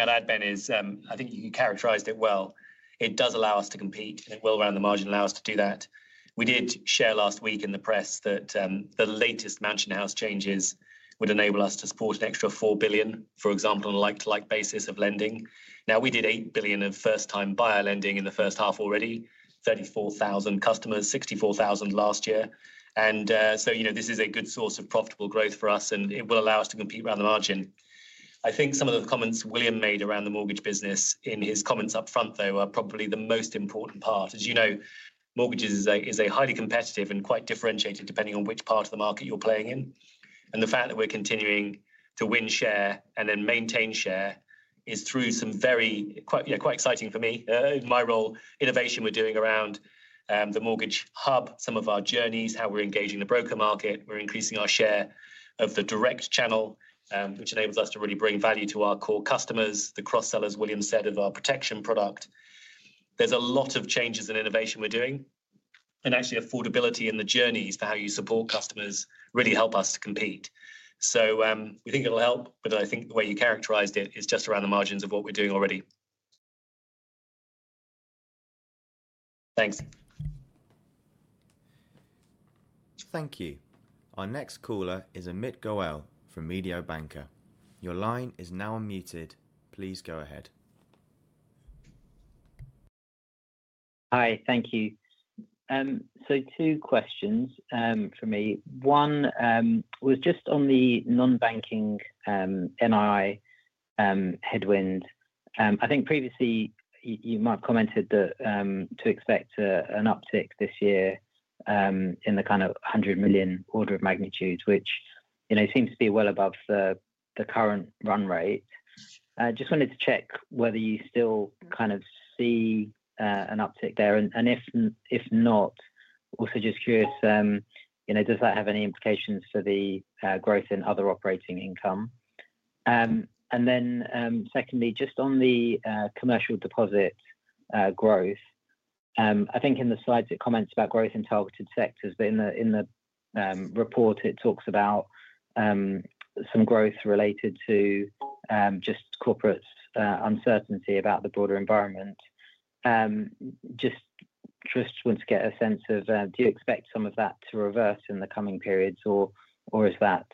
I'd add, Ben, is I think you characterized it well. It does allow us to compete and it will, around the margin, allow us to do that. We did share last week in the press that the latest Mansion House changes would enable us to support an extra 4 billion, for example, on a like-to-like basis of lending. Now, we did 8 billion of first-time buyer lending in the first half already, 34,000 customers, 64,000 last year. And, you know, this is a good source of profitable growth for us and it will allow us to compete around the margin. I think some of the comments William made around the mortgage business in his comments up front, though, are probably the most important part. As you know, mortgages is a highly competitive and quite differentiated, depending on which part of the market you're playing in. The fact that we're continuing to win share and then maintain share is, through some very, quite exciting for me in my role, innovation we're doing around the mortgage hub, some of our journeys, how we're engaging the broker market. We're increasing our share of the direct channel, which enables us to really bring value to our core customers, the cross-sellers, William said, of our pROTEction product. There's a lot of changes in innovation we're doing, and actually affordability in the journeys for how you support customers really help us to compete. We think it'll help. I think the way you characterized it is just around the margins of what we're doing already. Thanks. Thank you. Our next caller is Amit Goel from Mediabanca. Your line is now unmuted. Please go ahead. Hi. Thank you. Two questions for me. One was just on the non-banking NII headwind. I think previously you might have commented to expect an uptick this year in the kind of 100 million order of magnitude, which, you know, seems to be well above the current run rate. Just wanted to check whether you still kind of see an uptick there, and if not, also just curious, you know, does that have any implications for the growth in other operating income? Then secondly, just on the commercial deposit growth, I think in the slides it comments about growth in targeted sectors, but in the report it talks about some growth related to just corporate uncertainty about the broader environment. Just want to get a sense of do you expect some of that to reverse in the coming periods, or is that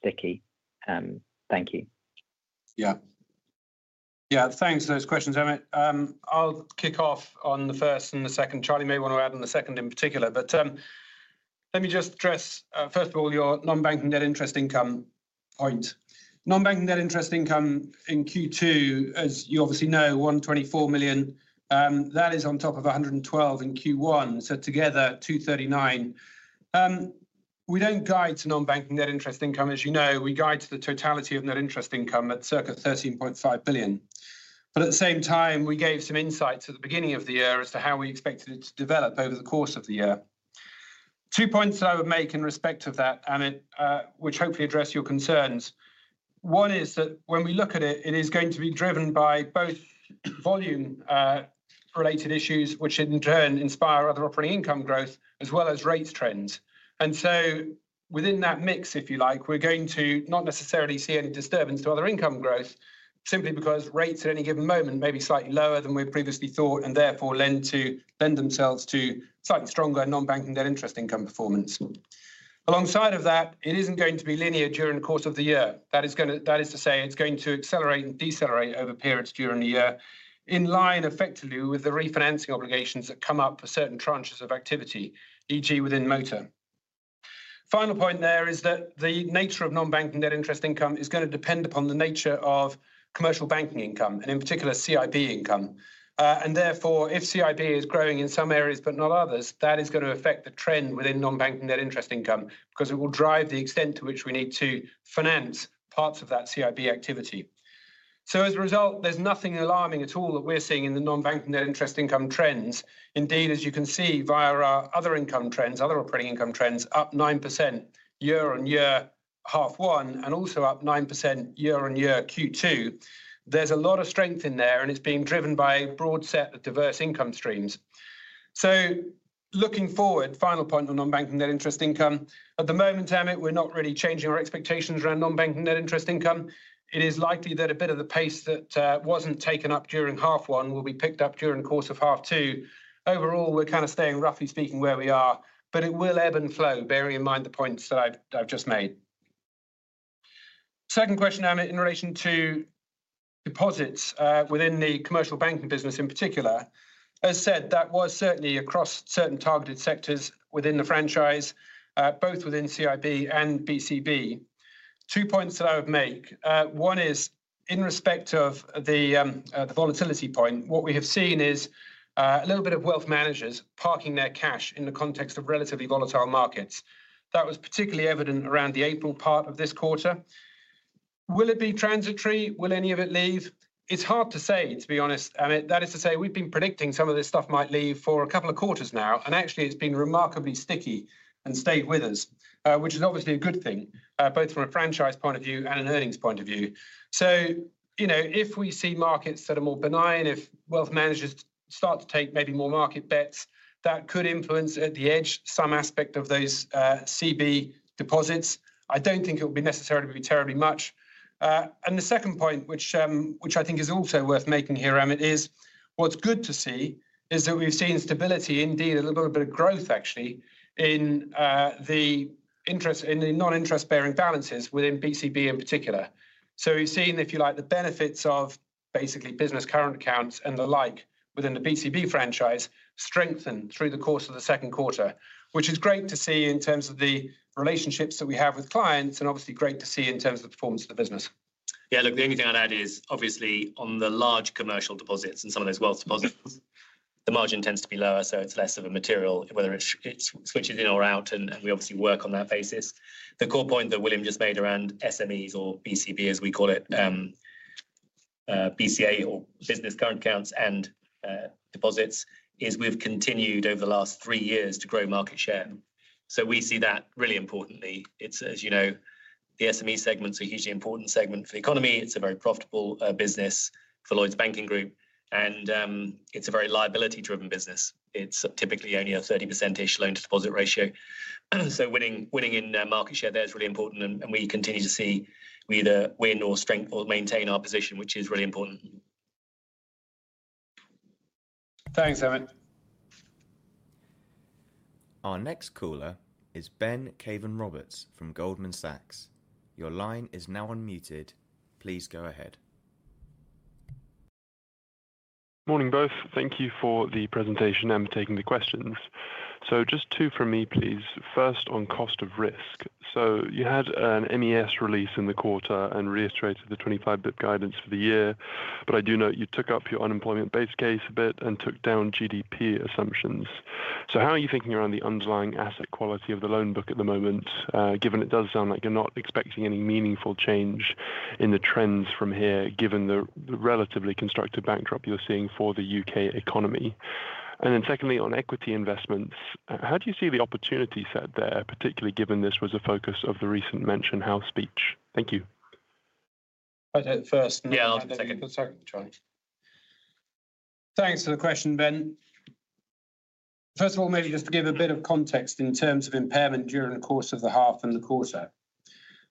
sticky? Thank you. Yeah, yeah, thanks for those questions, Amit. I'll kick off on the first and the second. Charlie may want to add on the second in particular. Let me just address first of all your non-banking net interest income point. Non-bank net interest income in Q2, as you obviously know, 124 million, that is on top of 112 million in Q1. Together, 239 million. We do not guide to non-banking net interest income, as you know. We guide to the totality of net interest income at circa 13.5 billion. At the same time, we gave some insights at the beginning of the year as to how we expected it to develop over the course of the year. Two points that I would make in respect of that, Amit, which hopefully address your concerns. One is that when we look at it, it is going to be driven by both volume-related issues, which in turn inspire other operating income growth, as well as rates trends within that mix, if you like. We are not necessarily going to see any disturbance to other income growth simply because rates at any given moment may be slightly lower than we previously thought and therefore lend themselves to slightly stronger non-banking net interest income performance. Alongside of that, it is not going to be linear during the course of the year. That is to say, it is going to accelerate and decelerate over periods during the year in line effectively with the refinancing obligations that come up for certain tranches of activity, for example, within motor. Final point there is that the nature of non-banking net interest income is going to depend upon the nature of commercial banking income and in particular CIB income. Therefore, if CIB is growing in some areas but not others, that is going to affect the trend within non-banking net interest income because it will drive the extent to which we need to finance parts of that CIB activity. As a result, there is nothing alarming at all that we are seeing in the non-bank net interest income trends. Indeed, as you can see via other income trends, other operating income trends up 9% year on year half one and also up 9% year on year Q2, there is a lot of strength in there and it is being driven by a broad set of diverse income streams. Looking forward, final point on non-banking net interest income at the moment, Amit, we are not really changing our expectations around non-banking net interest income. It is likely that a bit of the pace that was not taken up during half one will be picked up during the course of half two. Overall, we are kind of staying roughly speaking where we are, but it will ebb and flow. Bearing in mind the points that I've just made, second question in relation to deposits within the commercial banking business in particular, as said, that was certainly across certain targeted sectors within the franchise, both within CIB and BCB. Two points that I would make. One is in respect of the volatility point, what we have seen is a little bit of wealth managers parking their cash in the context of relatively volatile markets. That was particularly evident around the April part of this quarter. Will it be transitory? Will any of it leave? It's hard to say to be honest. That is to say we've been predicting some of this stuff might leave for a couple of quarters now and actually it's been remarkably sticky and stayed with us, which is obviously a good thing both from a franchise point of view and an earnings point of view. If we see markets that are more benign, if wealth managers start to take maybe more market bets that could influence at the edge some aspect of those CB deposits, I don't think it will be necessarily terribly much. The second point, which I think is also worth making here, Amit, is what's good to see is that we've seen stability, indeed a little bit of growth actually, in the interest in the non-interest bearing balances within BCB in particular. We've seen, if you like, the benefits of basically business current accounts and the like within the BCB franchise strengthen through the course of the second quarter, which is great to see in terms of the relationships that we have with clients and obviously great to see in terms of the performance of the business. Yeah, look, the only thing I'd add is obviously on the large commercial deposits and some of those wealth deposits, the margin tends to be lower, so it's less of a material whether it switches in or out. We obviously work on that basis. The core point that William just made around SMEs or BCB as we call it, BCA or business current accounts and deposits is we've continued over the last three years to grow market share. We see that really importantly, it's as you know, the SME segments are a hugely important segment for the economy. It's a very profitable business for Lloyds Banking Group and it's a very liability driven business. It's typically only a 30% ish loan-to-deposit ratio. Winning in market share there is really important, and we continue to see either win or strength or maintain our position, which is really important. Thanks, Amit. Our next caller is Ben Caven-Roberts from Goldman Sachs. Your line is now unmuted. Please go ahead. Morning both. Thank you for the presentation and taking the questions. Just two from me please. First on cost of risk. You had an MES release in the quarter and reiterated the 25 basis point guidance for the year. I do note you took up your unemployment base case a bit and took down GDP assumptions. How are you thinking around the underlying asset quality of the loan book at the moment, given it does sound like you're not expecting any meaningful change in the trends from here, given the relatively constructive backdrop you're seeing for the U.K. economy. Secondly on equity investments, how do you see the opportunity set there? Particularly given this was a focus of the recent Mansion House speech. Thank you. I'll take the first. Yeah, I'll take the second, Charlie. Thanks for the question, Ben. First of all, maybe just to give a bit of context in terms of impairment during the course of the half and the quarter.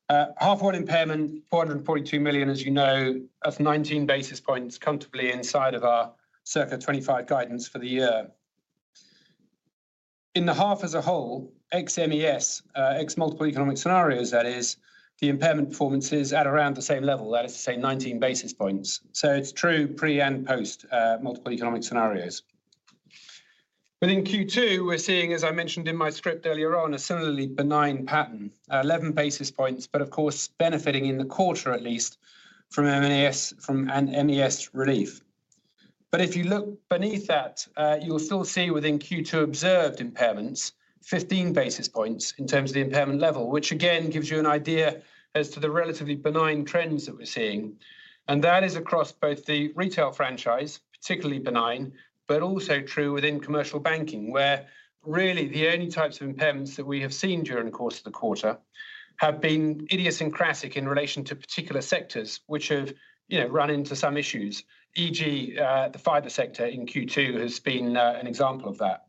Half one impairment 442 million. As you know, that's 19 basis points comfortably inside of our circa 25 guidance for the year in the half as a whole. Ex MES, ex multiple economic scenarios, that is the impairment performance is at around the same level, that is to say 19 basis points. It's true pre and post multiple economic scenarios. Within Q2 we're seeing, as I mentioned in my script earlier on, a similarly benign pattern, 11 basis points, but of course benefiting in the quarter at least from MES relief. If you look beneath that, you'll still see within Q2 observed impairments, 15 basis points in terms of the impairment level. Which again gives you an idea as to the relatively benign trends that we're seeing. That is across both the retail franchise, particularly benign, but also true within commercial banking, where really the only types of impairments that we have seen during the course of the quarter have been idiosyncratic in relation to particular sectors which have run into some issues. For example, the fiber sector in Q2 has been an example of that.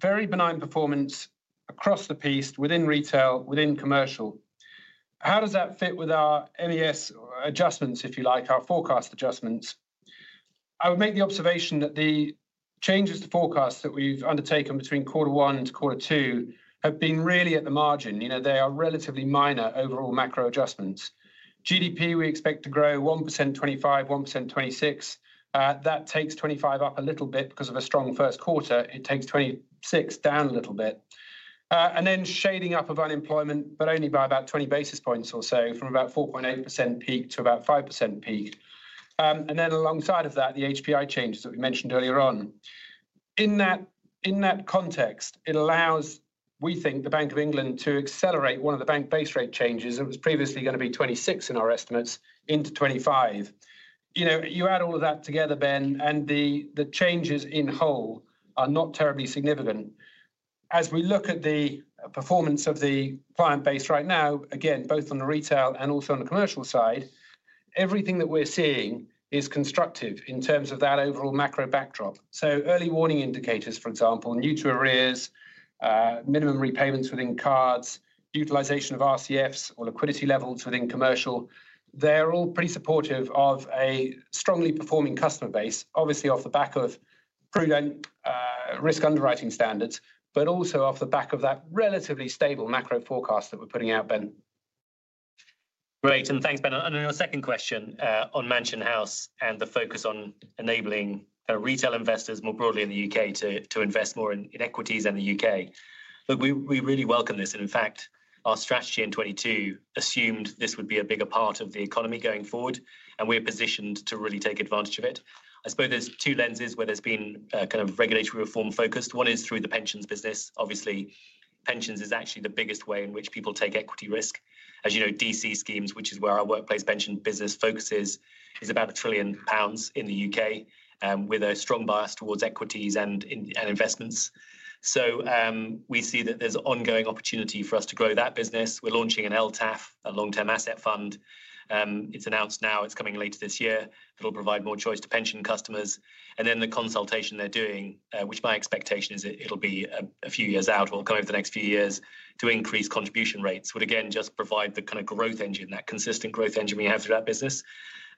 Very benign performance across the piste within retail, within commercial. How does that fit with our MES adjustments? If you like our forecast adjustments, I would make the observation that the changes to forecasts that we've undertaken between quarter one to quarter two have been really at the margin, they are relatively minor overall macro adjustments. GDP we expect to grow 1% 2025, 1% 2026. That takes 2025 up a little bit because of a strong first quarter. It takes 2026 down a little bit and then shading up of unemployment, but only by about 20 basis points or so from about 4.8% peak to about 5% peak. Alongside of that, the HPI changes that we mentioned earlier on. In that context, it allows, we think, the Bank of England to accelerate one of the bank base rate changes. It was previously going to be 2026 in our estimates into 2025. You add all of that together, Ben, and the changes in whole are not terribly significant as we look at the performance of the client base right now, again, both on the retail and also on the commercial side. Everything that we're seeing is constructive in terms of that overall macro backdrop. Early warning indicators, for example, new to arrears, minimum repayments within cards, utilization of RCFs or liquidity levels within commercial. They're all pretty supportive of a strongly performing customer base, obviously off the back of prudent risk underwriting standards, but also off the back of that relatively stable macro forecast that we're putting out. Ben, great and thanks, Ben. Your second question on Mansion House and the focus on enabling retail investors more broadly in the U.K. to invest more in equities and the U.K. Look, we really welcome this and in fact, our strategy in 2022 assumed this would be a bigger part of the economy going forward and we're positioned to really take advantage of it. I suppose there's two lenses where there's been kind of regulatory reform focused. One is through the pensions business. Obviously pensions is actually the biggest way in which people take equity risk. As you know, D.C. schemes, which is where our workplace pension business focuses, is about 1 trillion pounds in the U.K. with a strong bias towards equities and investments. We see that there's ongoing opportunity for us to grow that business. We're launching an LTAF, a Long Term Asset Fund. It's announced now, it's coming later this year. It'll provide more choice to pension customers and then the consultation they're doing, which my expectation is it'll be a few years out or come over the next few years to increase contribution rates, would again just provide the kind of growth engine, that consistent growth engine we have through that business,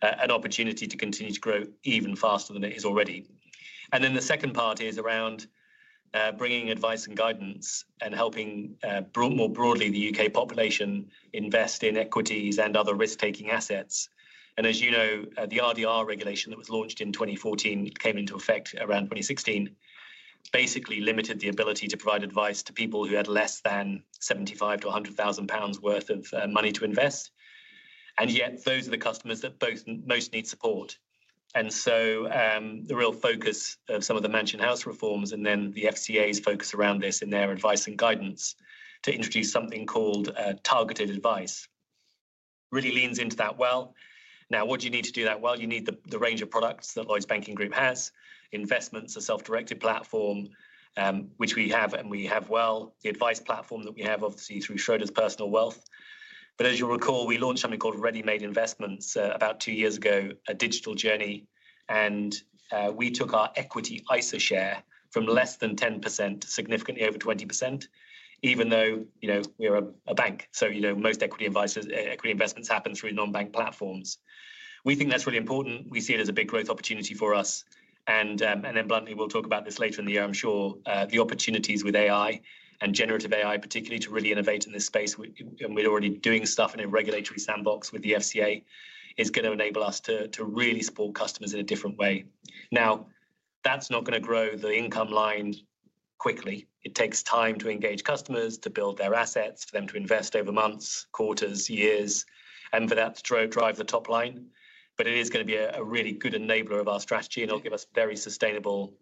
an opportunity to continue to grow even faster than it is already. The second part is around bringing advice and guidance and helping more broadly the U.K. population invest in equities and other risk taking assets. As you know, the RDR regulation that was launched in 2014 came into effect around 2016, basically limited the ability to provide advice to people who had less than 75,000-100,000 pounds worth of money to invest. Yet those are the customers that both most need support. The real focus of some of the Mansion House reforms and then the FCA's focus around this in their advice and guidance to introduce something called targeted advice really leans into that. Now, what do you need to do that? You need the range of products that Lloyds Banking Group has, investments, a self-directed platform which we have and we have, the advice platform that we have, obviously through Schroders Personal Wealth. As you recall, we launched something called Ready Made Investments about two years ago, a digital journey. We took our equity ISA share from less than 10%, significantly over 20% even though we are a bank. Most equity investments happen through non-bank platforms. We think that's really important. We see it as a big growth opportunity for us and bluntly, we'll talk about this later in the year. I'm sure the opportunities with AI and generative AI, particularly to really innovate in this space, we're already doing stuff in a regulatory sandbox with the FCA is going to enable us to really support customers in a different way. That is not going to grow the income line quickly. It takes time to engage customers to build their assets, for them to invest over months, quarters, years and for that to drive the top line. It is going to be a really good enabler of our strategy and it will give us very sustainable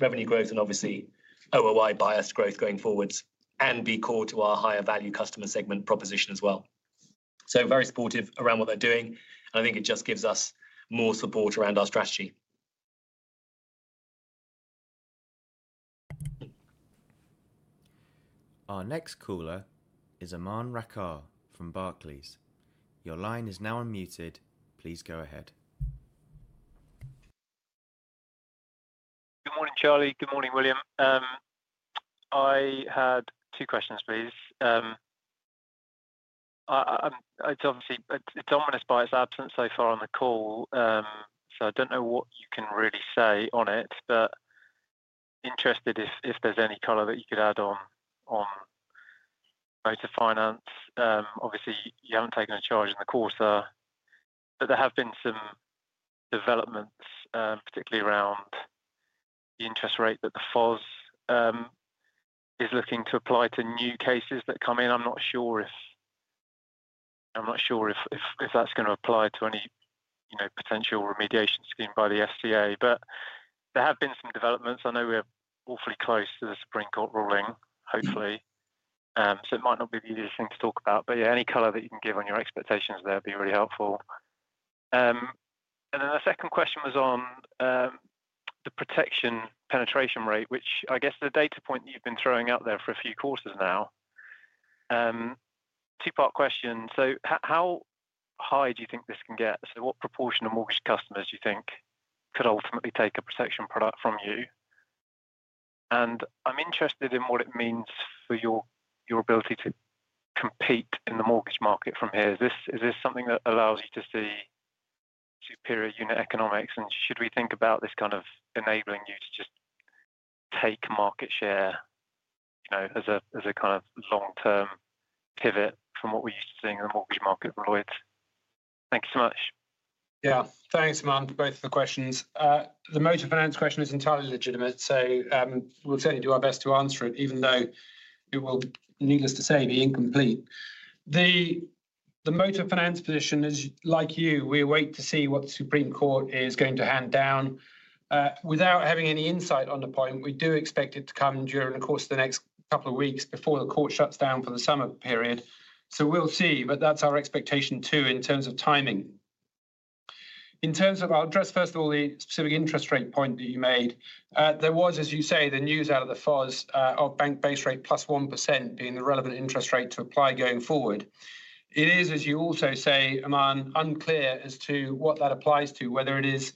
revenue growth and obviously OOI-biased growth going forwards and be core to our higher value customer segment proposition as well. Very supportive around what they're doing and I think it just gives us more support around our strategy. Our next caller is Aman Rakkar from Barclays. Your line is now unmuted. Please go ahead. Good morning, Charlie. Good morning, William. I had two questions please. It is obviously Dominic by its absence so far on the call, so I do not know what you can really say on it, but interested if there is any color that you could add on motor finance. Obviously you have not taken a charge in the quarter, but there have been some developments, particularly around the interest rate that the FOS is looking to apply to new cases that come in. I am not sure if, I am not sure if that is going to apply to any potential remediation scheme by the FCA, but there have been some developments. I know we are awfully close to the Supreme Court ruling hopefully, so it might not be the easiest thing to talk about, but any color that you can give on your expectations there would be really helpful. The second question was on the pROTEction penetration rate, which I guess is the data point you have been throwing out there for a few quarters now. Two part question. How high do you think this can get? What proportion of mortgage customers do you think could ultimately take a pROTEction product from you? I am interested in what it means for your ability to compete in the mortgage market from here. Is this something that allows you to see superior unit economics? Should we think about this kind of enabling you to just take market share as a kind of long term pivot from what we are used to seeing in the mortgage market. Lloyds, thank you so much. Yeah, thanks Iman, for both of the questions. The motor finance question is entirely legitimate, so we'll certainly do our best to answer it even though it will, needless to say, be incomplete. The motor finance position is like you, we wait to see what the Supreme Court is going to hand down. Without having any insight on the point, we do expect it to come during the course of the next couple of weeks before the court shuts down for the summer period. We'll see. That is our expectation too in terms of timing. In terms of, I'll address first of all, the specific interest rate point that you made. There was, as you say, the news out of the force of bank base rate plus 1% being the relevant interest rate to apply going forward. It is, as you also say, Aman, unclear as to what that applies to, whether it is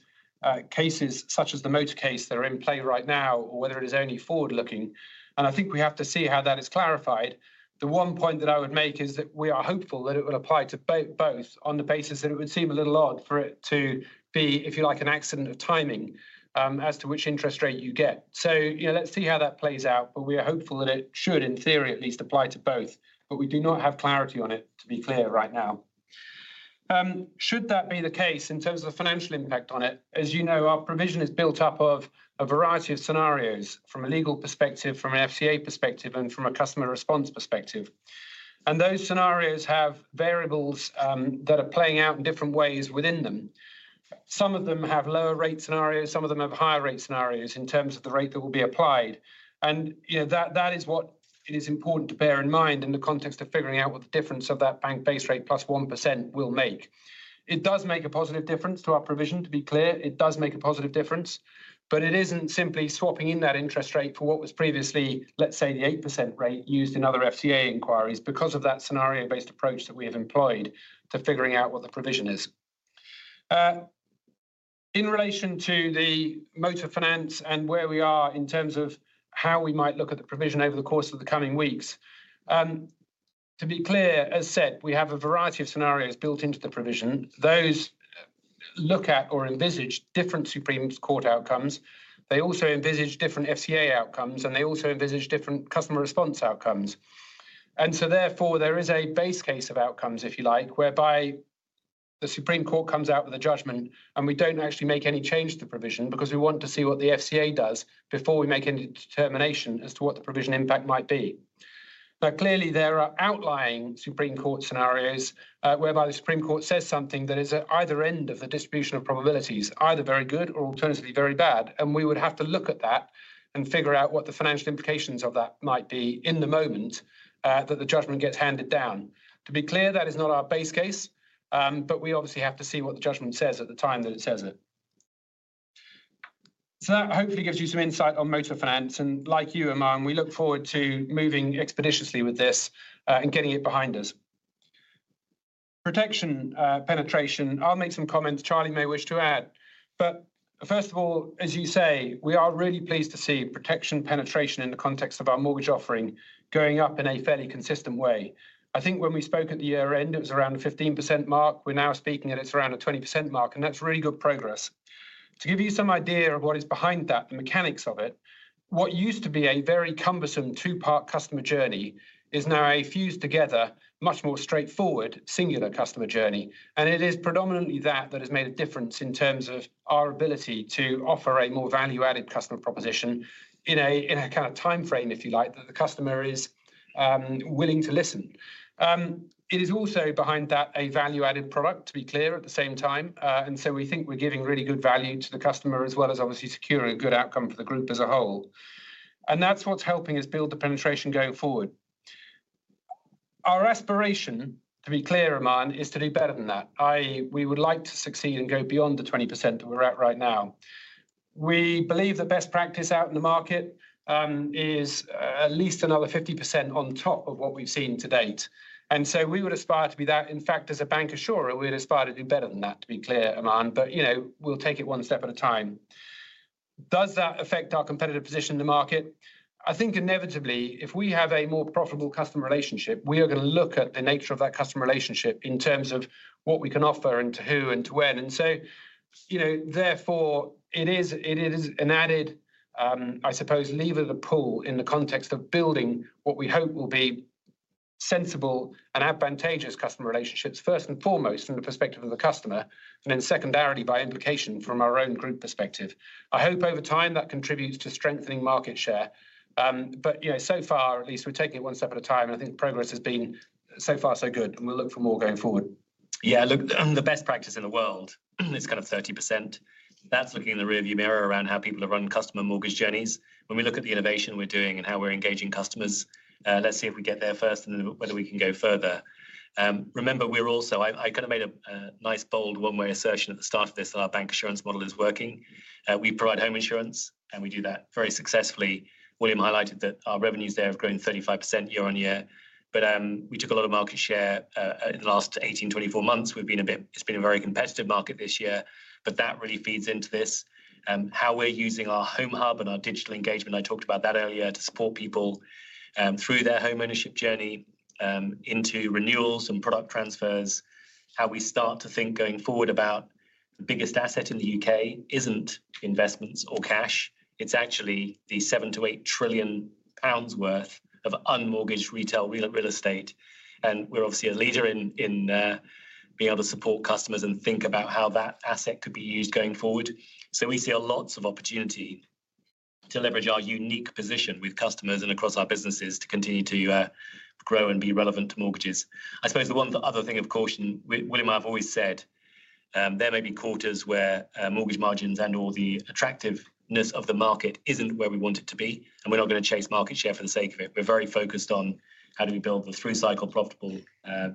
cases such as the motor case that are in play right now or whether it is only forward looking. I think we have to see how that is clarified. The one point that I would make is that we are hopeful that it will apply to both on the basis that it would seem a little odd for it to be, if you like, an accident of timing as to which interest rate you get. Let's see how that plays out. We are hopeful that it should, in theory at least, apply to both. We do not have clarity on it, to be clear, right now. Should that be the case in terms of financial impact on it, as you know, our provision is built up of a variety of scenarios from a legal perspective, from an FCA perspective, and from a customer response perspective. Those scenarios have variables that are playing out in different ways within them. Some of them have lower rate scenarios, some of them have higher rate scenarios in terms of the rate that will be applied. That is what it is important to bear in mind in the context of figuring out what the difference of that bank base rate +1% will make. It does make a positive difference to our provision, to be clear, it does make a positive difference, but it isn't simply swapping in that interest rate for what was previously, let's say, the 8% rate used in other FCA inquiries because of that scenario-based approach that we have employed figuring out what the provision is in relation to the motor finance and where we are in terms of how we might look at the provision over the course of the coming weeks. To be clear, as said, we have a variety of scenarios built into the provision. Those look at or envisage different Supreme Court outcomes, they also envisage different FCA outcomes, and they also envisage different customer response outcomes. Therefore, there is a base case of outcomes, if you like, whereby the Supreme Court comes out with a judgment and we do not actually make any change to provision because we want to see what the FCA does before we make any determination as to what the provision impact might be. Clearly, there are outlying Supreme Court scenarios whereby the Supreme Court says something that is at either end of the distribution of probabilities, either very good or alternatively very bad. We would have to look at that and figure out what the financial implications of that might be in the moment that the judgment gets handed down. To be clear, that is not our base case. We obviously have to see what the judgment says at the time that it says it. Hopefully, that gives you some insight on motor finance. Like you, Aman, we look forward to moving expeditiously with this and getting it behind us. PROTEction penetration, I will make some comments. Charlie may wish to add, but first of all, as you say, we are really pleased to see pROTEction penetration in the context of our mortgage offering going up in a fairly consistent way. I think when we spoke at the year end it was around the 15% mark. We are now speaking at it is around the 20% mark and that is really good progress. To give you some idea of what is behind that, the mechanics of it. What used to be a very cumbersome two-part customer journey is now a fused together, much more straightforward singular customer journey. It is predominantly that that has made a difference in terms of our ability to offer a more value-added customer proposition in a kind of timeframe, if you like, that the customer is willing to listen. It is also behind that a value-added product, to be clear, at the same time. We think we are giving really good value to the customer as well as obviously securing a good outcome for the group as a whole. That is what is helping us build the penetration going forward. Our aspiration, to be clear, Aman, is to do better than that. We would like to succeed and go beyond the 20% that we are at right now. We believe the best practice out in the market is at least another 50% on top of what we have seen to date. We would aspire to be that. In fact, as a bank assurer, we would aspire to do better than that, to be clear, Aman, but we will take it one step at a time. Does that affect our competitive position in the market? I think inevitably if we have a more profitable customer relationship, we are going to look at the nature of that customer relationship in terms of what we can offer and to who and to when. Therefore, it is an added, I suppose, lever to pull in the context of building what we hope will be sensible and advantageous customer relationships first and foremost from the perspective of the customer and then secondarily by implication from our own group perspective. I hope over time that contributes to strengthening market share. So far at least, we are taking it one step at a time and I think progress has been so far so good and we will look for more going forward. Yeah, look, the best practice in the world is kind of 30% that's looking in the rearview mirror around how people are running customer mortgage journeys. When we look at the innovation we're doing and how we're engaging customers, let's see if we get there first and whether we can go further. Remember, we're also—I kind of made a nice bold one-way assertion at the start of this that our bancassurance model is working. We provide home insurance and we do that very successfully. William highlighted that our revenues there have grown 35% year on year, but we took a lot of market share in the last 18-24 months. We've been a bit—it's been a very competitive market this year. That really feeds into this, how we're using our home hub and our digital engagement. I talked about that earlier to support people through their home ownership journey into renewals and product transfers. How we start to think going forward about the biggest asset in the U.K. isn't investments or cash. It's actually the 7 trillion-8 trillion pounds worth of unmortgaged retail real estate. We're obviously a leader in being able to support customers and think about how that asset could be used going forward. We see a lot of opportunity to leverage our unique position with customers and across our businesses to continue to grow and be relevant to mortgages. I suppose the one other thing of caution, William, I have always said there may be quarters where mortgage margins and all the attractiveness of the market isn't where we want it to be. We're not going to chase market share for the sake of it. We're very focused on how do we build the through-cycle profitable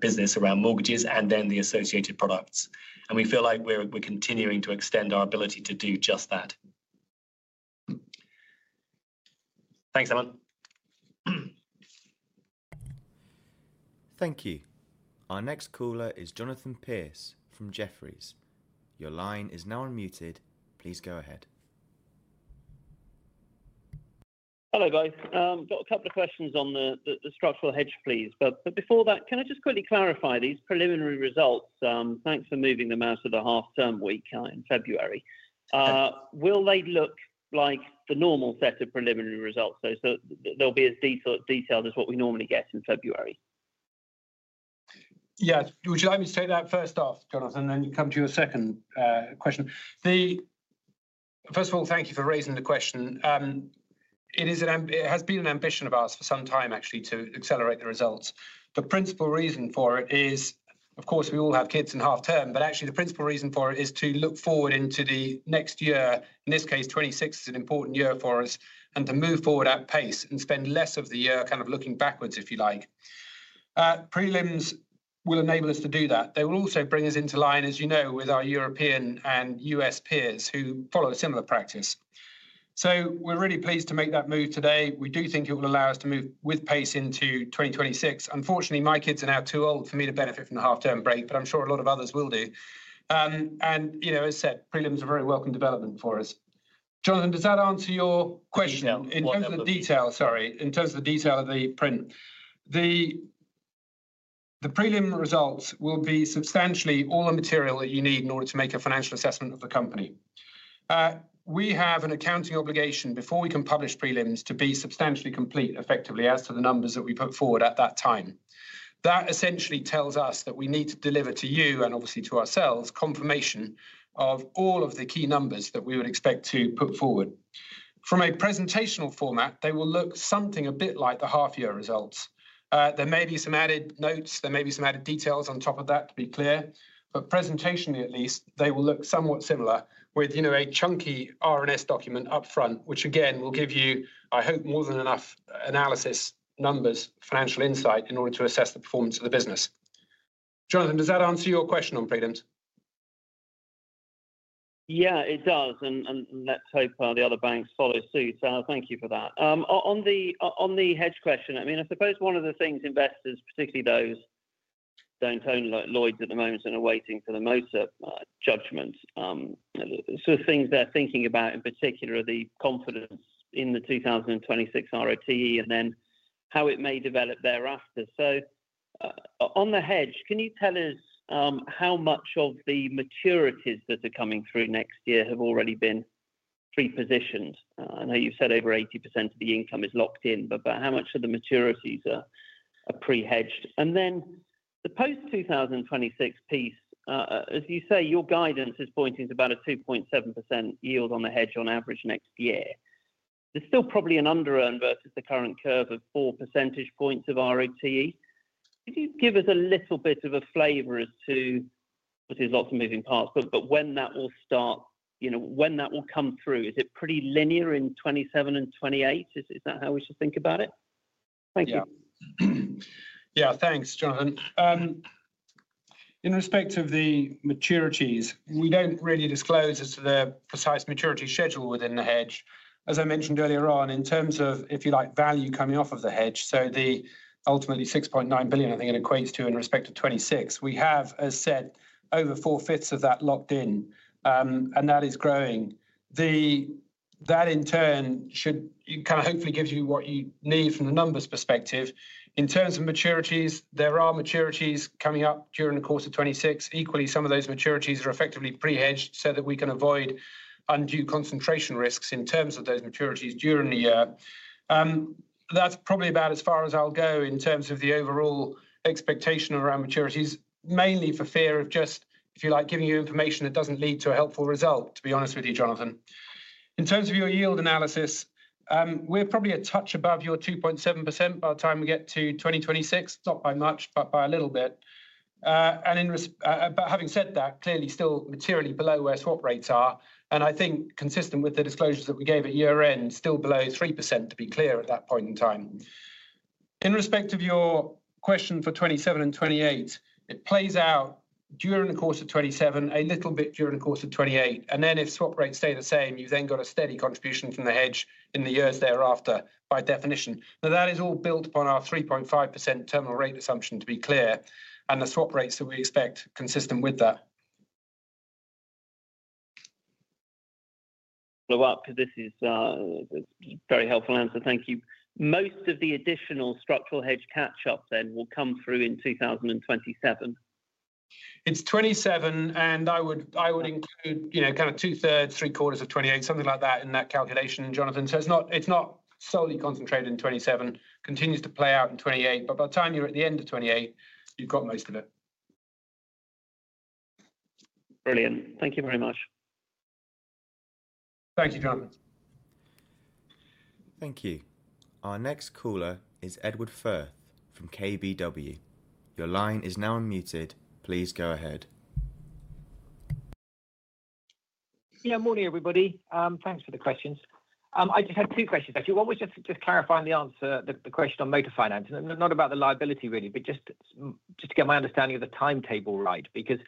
business around mortgages and then the associated products. We feel like we're continuing to extend our ability to do just that. Thanks, Aman. Thank you. Our next caller is Jonathan Pierce from Jefferies. Your line is now unmuted. Please go ahead. Hello both, got a couple of questions on the structural hedge please. Before that, can I just quickly clarify these preliminary results? Thanks for moving them out of the half term week in February. Will they look like the normal set of preliminary results, so they'll be as detailed as what we normally get in February? Yes. Would you like me to take that first off, Jonathan, then come to your second question? First of all, thank you for raising the question. It has been an ambition of ours for some time actually to accelerate the results. The principal reason for it is of course we all have kids in half term. Actually the principal reason for it is to look forward into the next year. In this case, 2026 is an important year for us and to move forward at pace and spend less of the year kind of looking backwards if you like. Prelims will enable us to do that. They will also bring us into line, as you know, with our European and US peers who follow a similar practice. We are really pleased to make that move today. We do think it will allow us to move with pace into 2026. Unfortunately, my kids are now too old for me to benefit from the half term break but I am sure a lot of others will do and, you know, as said, prelims are a very welcome development for us. Jonathan, does that answer your question? In terms of the detail. Sorry? In terms of the detail of the print, the prelim results will be substantially all the material that you need in order to make a financial assessment of the company. We have an accounting obligation before we can publish prelims to be substantially complete effectively. As to the numbers that we put forward at that time, that essentially tells us that we need to deliver to you and obviously to ourselves confirmation of all of the key numbers that we would expect to put forward. From a presentational format, they will look something a bit like the half year results. There may be some added notes, there may be some added details on top of that to be clear, but presentation at least, they will look somewhat similar with, you know, a chunky RNS document up front which again will give you, I hope, more than enough analysis, numbers, financial insight in order to assess the performance of the business. Jonathan, does that answer your question on prelims? Yeah, it does and let's hope the other banks follow suit. Thank you for that. On the hedge question, I mean I suppose one of the things investors, particularly those who do not own Lloyds at the moment and are waiting for the motor judgment, so things they are thinking about in particular are the confidence in the 2026 ROTE and then how it may develop thereafter. On the hedge, can you tell us how much of the maturities that are coming through next year have already been pre-positioned? I know you said over 80% of the income is locked in, but how much of the maturities are pre-hedged? Then the post-2026 piece, as you say, your guidance is pointing to about a 2.7% yield on the hedge on average next year. There is still probably an under-earn versus the current curve of 4 percentage points of ROTE. Could you give us a little bit of a flavor as to, this is lots of moving parts, but when that will start, you know, when that will come through. Is it pretty linear in 2027 and 2028? Is that how we should think about it? Thank you. Yeah, thanks, Jonathan. In respect of the maturities, we do not really disclose as to the precise maturity schedule within the hedge. As I mentioned earlier on in terms of, if you like, value coming off of the hedge. So the ultimately 6.9 billion, I think it equates to in respect to 2026, we have, as said, over four-fifths of that locked in and that is growing. That in turn should kind of hopefully give you what you need from the numbers perspective. In terms of maturities, there are maturities coming up during the course of 2026. Equally, some of those maturities are effectively pre-hedged so that we can avoid undue concentration risks in terms of those maturities during the year. That is probably about as far as I will go. In terms of the overall expectation around maturities, mainly for fear of just, if you like, giving you information that does not lead to a helpful result. To be honest with you, Jonathan, in terms of your yield analysis, we are probably a touch above your 2.7% by the time we get to 2026. Not by much, but by a little bit. Having said that, clearly still materially below where swap rates are and I think consistent with the disclosures that we gave at year end, still below 3% to be clear at that point in time. In respect of your question for 2027 and 2028, it plays out during the course of 2027, a little bit during the course of 2028, and then if swap rates stay the same, you have then got a steady contribution from the hedge in the years thereafter by definition. Now, that is all built upon our 3.5% terminal rate assumption, to be clear, and the swap rates that we expect consistent with that. This is very helpful answer. Thank you. Most of the additional structural hedge catch up then will come through in 2027. It's 27 and I would include, you know, kind of two-thirds, three-quarters of 28, something like that in that calculation, Jonathan. It is not solely concentrated in 27, continues to play out in 28, but by the time you're at the end of 28, you've got most of it. Brilliant. Thank you very much. Thank you, John. Thank you. Our next caller is Edward Firth from KBW. Your line is now unmuted. Please go ahead. Yeah, morning everybody. Thanks for the questions. I just had two questions actually. One was just clarifying the answer. The question on motor finance, not about the liability really, but just to get my understanding of the timetable right. Because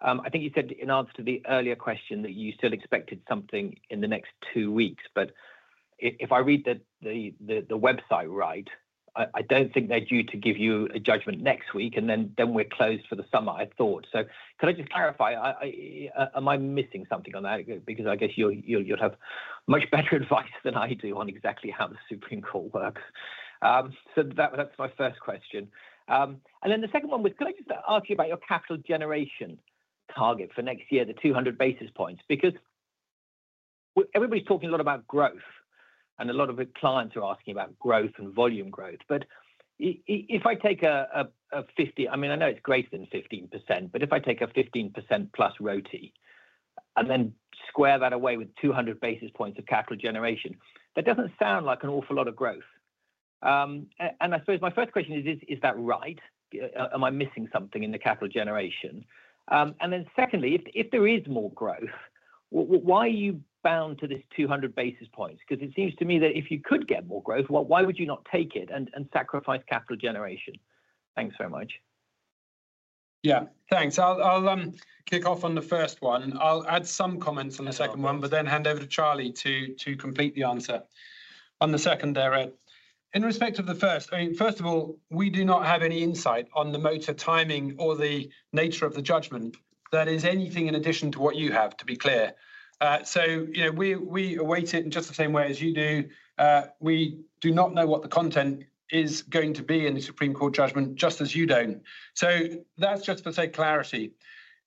I think you said in answer to the earlier question that you still expected something in the next two weeks. If I read the website right, I do not think they are due to give you a judgment next week and then we are closed for the summer. I thought so. Could I just clarify, am I missing something on that? I guess you would have much better advice than I do on exactly how the Supreme Court works. That is my first question. The second one was, can I just ask you about your capital generation target for next year, the 200 basis points? Everybody is talking a lot about growth and a lot of clients are asking about growth and volume growth. If I take a 50, I mean, I know it is greater than 15%, but if I take a 15% plus ROTE and then square that away with 200 basis points of capital generation, that does not sound like an awful lot of growth. I suppose my first question is, is that right? Am I missing something in the capital generation? Secondly, if there is more growth, why are you bound to this 200 basis points? It seems to me that if you could get more growth, why would you not take it and sacrifice capital generation? Thanks very much. Yeah, thanks. I'll kick off on the first one. I'll add some comments on the second one, but then hand over to Charlie to complete the answer on the second there. Ed, in respect of the first, first of all, we do not have any insight on the motor timing or the nature of the judgment, that is anything in addition to what you have to be clear. You know, we await it in just the same way as you do. We do not know what the content is going to be in the Supreme Court judgment, just as you do not. That is just for, say, clarity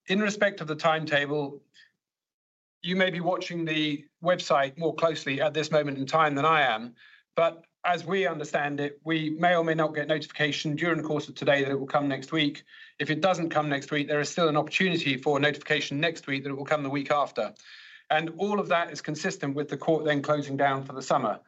in respect of the timetable. You may be watching the website more closely at this moment in time than I am, but as we understand it, we may or may not get notification during the course of today that it will come next week. If it does not come next week, there is still an opportunity for notification next week that it will come the week after. All of that is consistent with the court then closing down for the summer.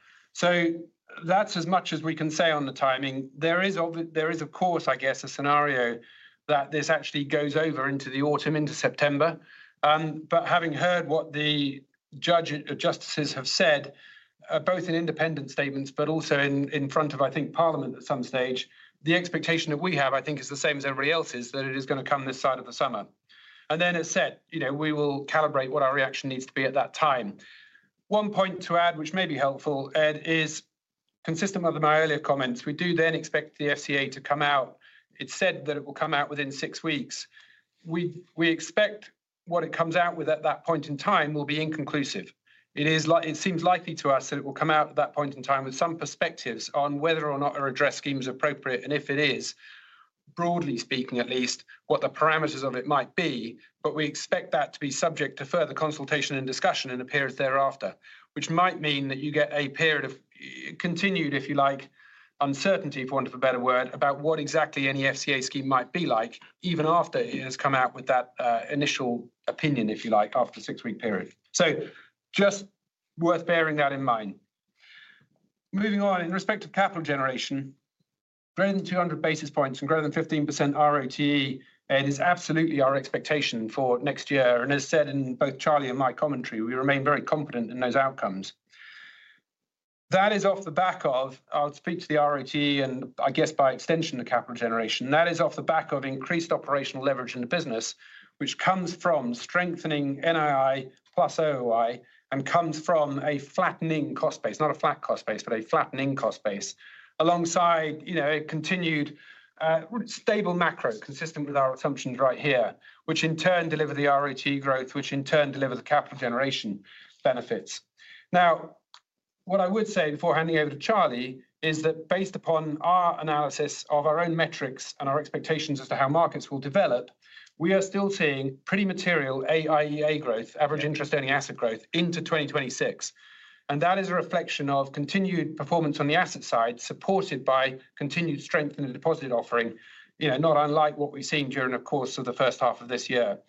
That is as much as we can say on the timing. There is, of course, I guess, a scenario that this actually goes over into the autumn into September. Having heard what the justices have said, both in independent statements, but also in front of, I think, Parliament at some stage, the expectation that we have, I think, is the same as everybody else's, that it is going to come this side of the summer and then, as said, we will calibrate what our reaction needs to be at that time. One point to add which may be helpful, Ed, is consistent with my earlier comments. We do then expect the FCA to come out. It said that it will come out within six weeks. We expect what it comes out with at that point in time will be inconclusive. It seems likely to us that it will come out at that point in time with some perspectives on whether or not a redress scheme is appropriate and if it is, broadly speaking, at least what the parameters of it might be. We expect that to be subject to further consultation and discussion and appears thereafter, which might mean that you get a period of continued, if you like, uncertainty, for want of a better word, about what exactly any FCA scheme might be like, even after it has come out with that initial opinion, if you like, after six week period. Just worth bearing that in mind. Moving on, in respect to capital generation, greater than 200 basis points and greater than 15% ROTE, it is absolutely our expectation for next year and as said in both Charlie and my commentary, we remain very confident in those outcomes. That is off the back of, I'll speak to the ROTE and I guess by extension the capital generation. That is off the back of increased operational leverage in the business, which comes from strengthening NII plus OOI and comes from a flattening cost base. Not a flat cost base, but a flattening cost base alongside a continued stable macro consistent with our assumptions right here, which in turn deliver the ROTE growth, which in turn deliver the capital generation benefits. Now, what I would say before handing over to Charlie is that based upon our analysis of our own metrics and our expectations as to how markets will develop, we are still seeing pretty material AIEA growth, average interest-earning asset growth into 2026. That is a reflection of continued performance on the asset side supported by continued strength in the deposit offering, not unlike what we've seen during the course of the first half of this year.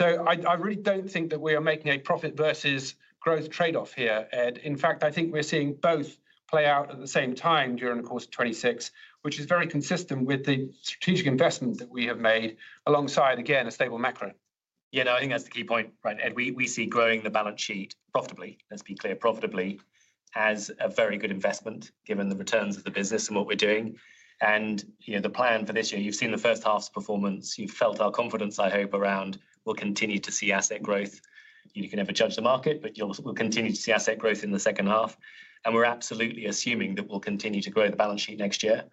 I really do not think that we are making a profit versus growth trade-off here, Ed. In fact, I think we're seeing both play out at the same time during the course of 2026, which is very consistent with the strategic investment that we have made alongside. Again, a stable macro. Yeah, I think that's the key point. Right. We see growing the balance sheet profitably, let's be clear, profitably as a very good investment given the returns of the business and what we're doing and the plan for this year. You've seen the first half's performance, you've felt our confidence. I hope around will continue to see asset growth. You can never judge the market but we'll continue to see asset growth in the second half and we're absolutely assuming that we'll continue to grow the balance sheet next year.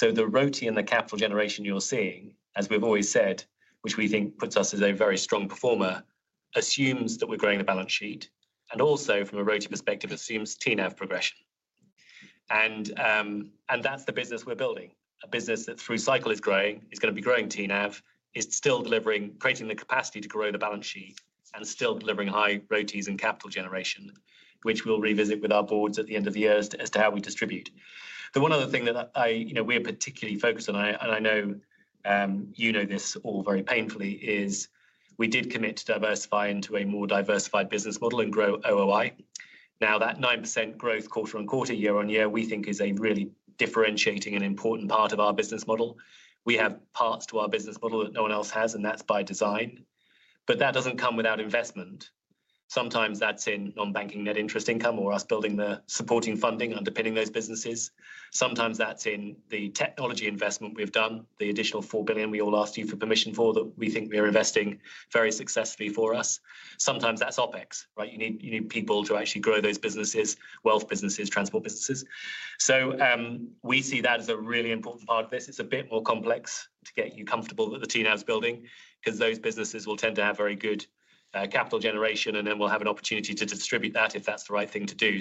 The ROTE and the capital generation you're seeing, as we've always said, which we think puts us as a very strong performer, assumes that we're growing the balance sheet and also from a ROTE perspective assumes TNAV progression and that's the business we're building. A business that through cycle is growing, is going to be growing. TNAV is still delivering, creating the capacity to grow the balance sheet and still delivering high ROTEs and capital generation which we'll revisit with our boards at the end of the year as to how we distribute. The one other thing that we are particularly focused on, and I know you know this all very painfully, is we did commit to diversify into a more diversified business model and grow OOI. Now that 9% growth quarter on quarter, year on year we think is a really differentiating and important part of our business model. We have parts to our business model that no one else has and that's by design. That doesn't come without investment. Sometimes that's in non-banking net interest income or us building the supporting funding underpinning those businesses. Sometimes that's in the technology investment. We've done the additional 4 billion. We all asked you for permission for that. We think we're investing very successfully. For us sometimes that's OpEx. You need people to actually grow those businesses, wealth businesses, transport businesses. We see that as a really important part of this. It's a bit more complex to get you comfortable that the TNAV's building because those businesses will tend to have very good capital generation and then we'll have an opportunity to distribute that if that's the right thing to do.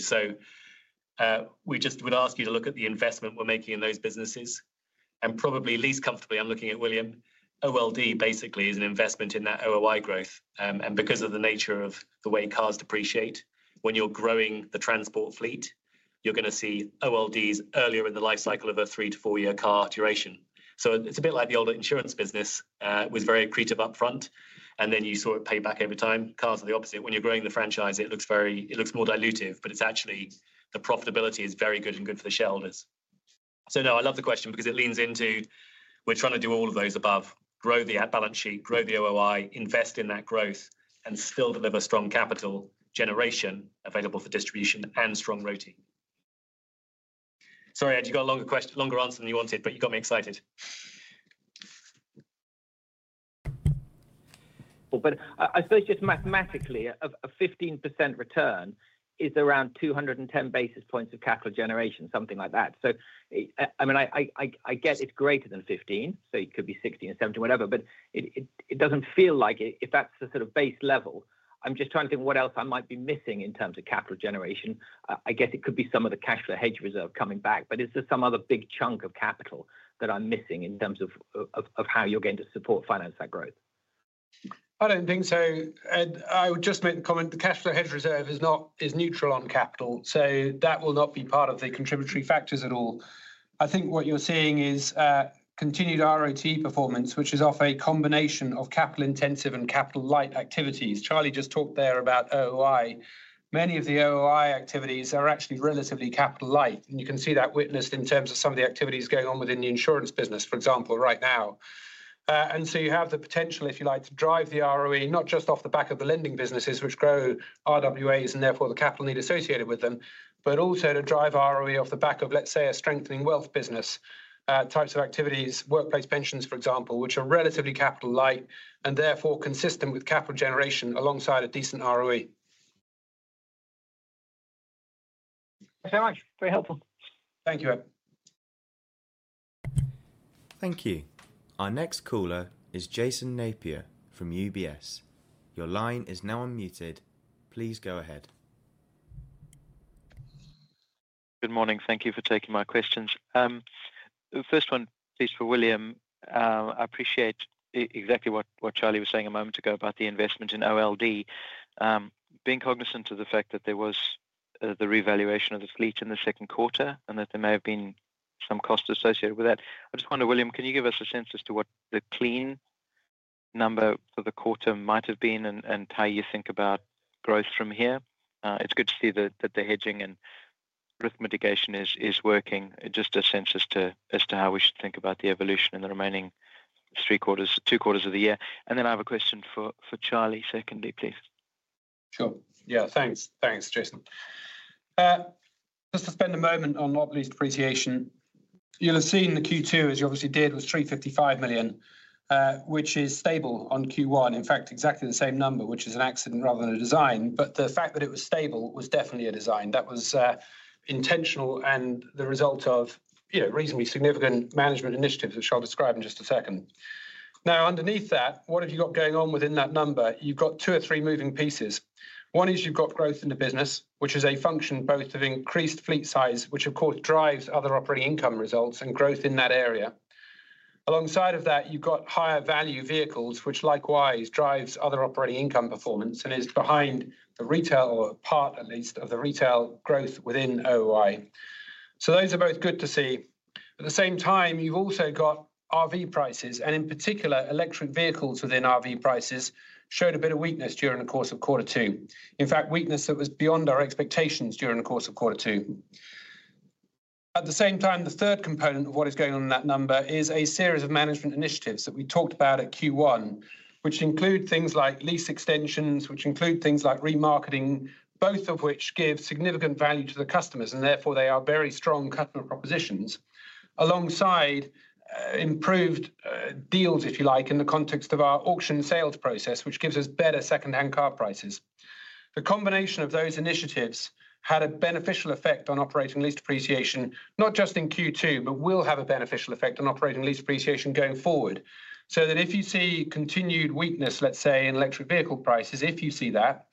We just would ask you to look at the investment we're making in those businesses and probably least comfortably I'm looking at William, old, basically is an investment in that OOI growth. Because of the nature of the way cars depreciate when you're growing the transport fleet, you're going to see olds earlier in the lifecycle of a three to four year car duration so it's a bit like the older insurance business was very accretive upfront and then you saw it pay back over time. Cars are the opposite. When you're growing the franchise, it looks more dilutive, but it's actually the profitability is very good and good for the shareholders. No, I love the question because it leans into, we're trying to do all of those above, grow the balance sheet, grow the OOI, invest in that growth and still deliver strong capital generation available for distribution and strong ROTE. Sorry, Ed, you got a longer question, longer answer than you wanted, but you got me excited. I suppose just mathematically a 15% return is around 210 basis points of capital generation, something like that. I mean, I get it's greater than 15, so it could be 16 or 17, whatever, but it doesn't feel like if that's the sort of base level. I'm just trying to think what else I might be missing in terms of capital generation. I guess it could be some of the cash flow hedge reserve coming back, but is there some other big chunk of capital that I'm missing in terms of how you're going to support finance that growth? I don't think so. I would just make the comment the cash flow hedge reserve is neutral on capital, so that will not be part of the contributory factors at all. I think what you're seeing is continued ROTE performance which is off a combination of capital intensive and capital light activities. Charlie just talked to there about OOI. Many of the OOI activities are actually relatively capital light and you can see that witnessed in terms of some of the activities going on within the insurance business, for example, right now. You have the potential, if you like, to drive the ROTE not just off the back of the lending businesses which grow RWAs and therefore the capital need associated with them, but also to drive ROTE off the back of, let's say, a strengthening wealth business, types of activities, workplace pensions, for example, which are relatively capital light, therefore consistent with capital generation alongside a decent ROTE. Thanks very much, very helpful. Thank you. Thank you. Our next caller is Jason Napier from UBS. Your line is now unmuted. Please go ahead. Good morning. Thank you for taking my questions. The first one, please, for William. I appreciate exactly what Charlie was saying a moment ago about the investment in old being cognizant of the fact that there was the revaluation of the fleet in the second quarter and that there may have been some costs associated with that. I just wonder, William, can you give us a sense as to what the clean number for the quarter might have been and how you think about growth from here. It's good to see that the hedging and risk mitigation is working. Just a sense as to how we should think about the evolution in the remaining three-quarters, two-quarters of the year. I have a question for Charlie. Secondly, please. Sure. Yeah, thanks. Thanks. Jason, just to spend a moment on not least depreciation, you'll have seen the Q2, as you obviously did, was 355 million, which is stable on Q1. In fact, exactly the same number, which is an accident rather than a design. The fact that it was stable was definitely a design that was intentional and the result of reasonably significant management initiatives, which I'll describe in just a second. Now, underneath that, what have you got going on within that number? You've got two or three moving pieces. One is you've got growth in the business, which is a function both of increased fleet size, which of course drives other operating income results and growth in that area. Alongside of that, you've got higher value vehicles, which likewise drives other operating income performance and is behind the retail, or part at least of the retail growth within OOI. Those are both good to see. At the same time, you've also got RV prices, and in particular electric vehicles within RV prices showed a bit of weakness during the course of quarter two. In fact, weakness that was beyond our expectations during the course of quarter two. At the same time, the third component of what is going on in that number is a series of management initiatives that we talked about at Q1, which include things like lease extensions, which include things like remarketing, both of which give significant value to the customers and therefore they are very strong customer propositions alongside improved deals, if you like. In the context of our auction sales process, which gives us better secondhand car prices, the combination of those initiatives had a beneficial effect on operating lease depreciation, not just in Q2, but will have a beneficial effect on operating lease depreciation going forward. If you see continued weakness, let's say, in electric vehicle prices, if you see that,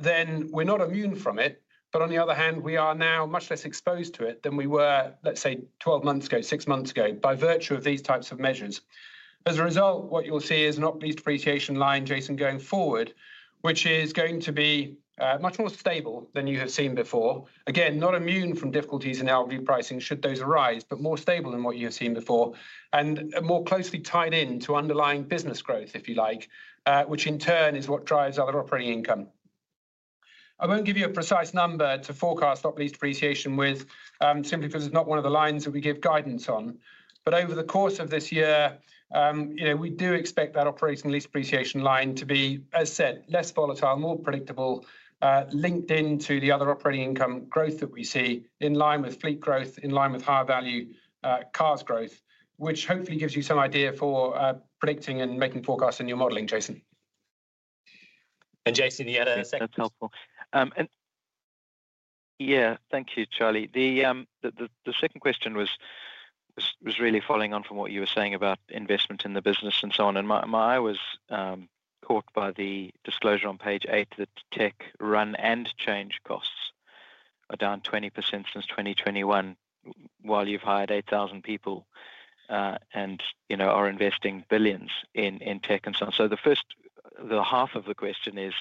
then we're not immune from it, but on the other hand, we are now much less exposed to it than we were, let's say, 12 months ago, six months ago, by virtue of these types of measures. As a result, what you'll see is an operational depreciation line, Jason, going forward, which is going to be much more stable than you have seen before. Again, not immune from difficulties in EV pricing, should those arise, but more stable than what you have seen before and more closely tied in to underlying business growth, if you like, which in turn is what drives other operating income. I won't give you a precise number to forecast stock lease depreciation with simply because it's not one of the lines that we give guidance on. Over the course of this year we do expect that operating lease depreciation line to be, as said, less volatile, more predictable. Linked in to the other operating income growth that we see in line with fleet growth, in line with higher value cars growth, which hopefully gives you some idea for predicting and making forecasts in your modeling. Jason. Jason, you had a second question. Yeah, thank you Charlie. The second question was really following on from what you were saying about investment in the business and so on. My eye was caught by the disclosure on page 8 that tech run and change costs are down 20% since 2021 while you've hired 8,000 people and are investing billions in tech and so on. The first half of the question is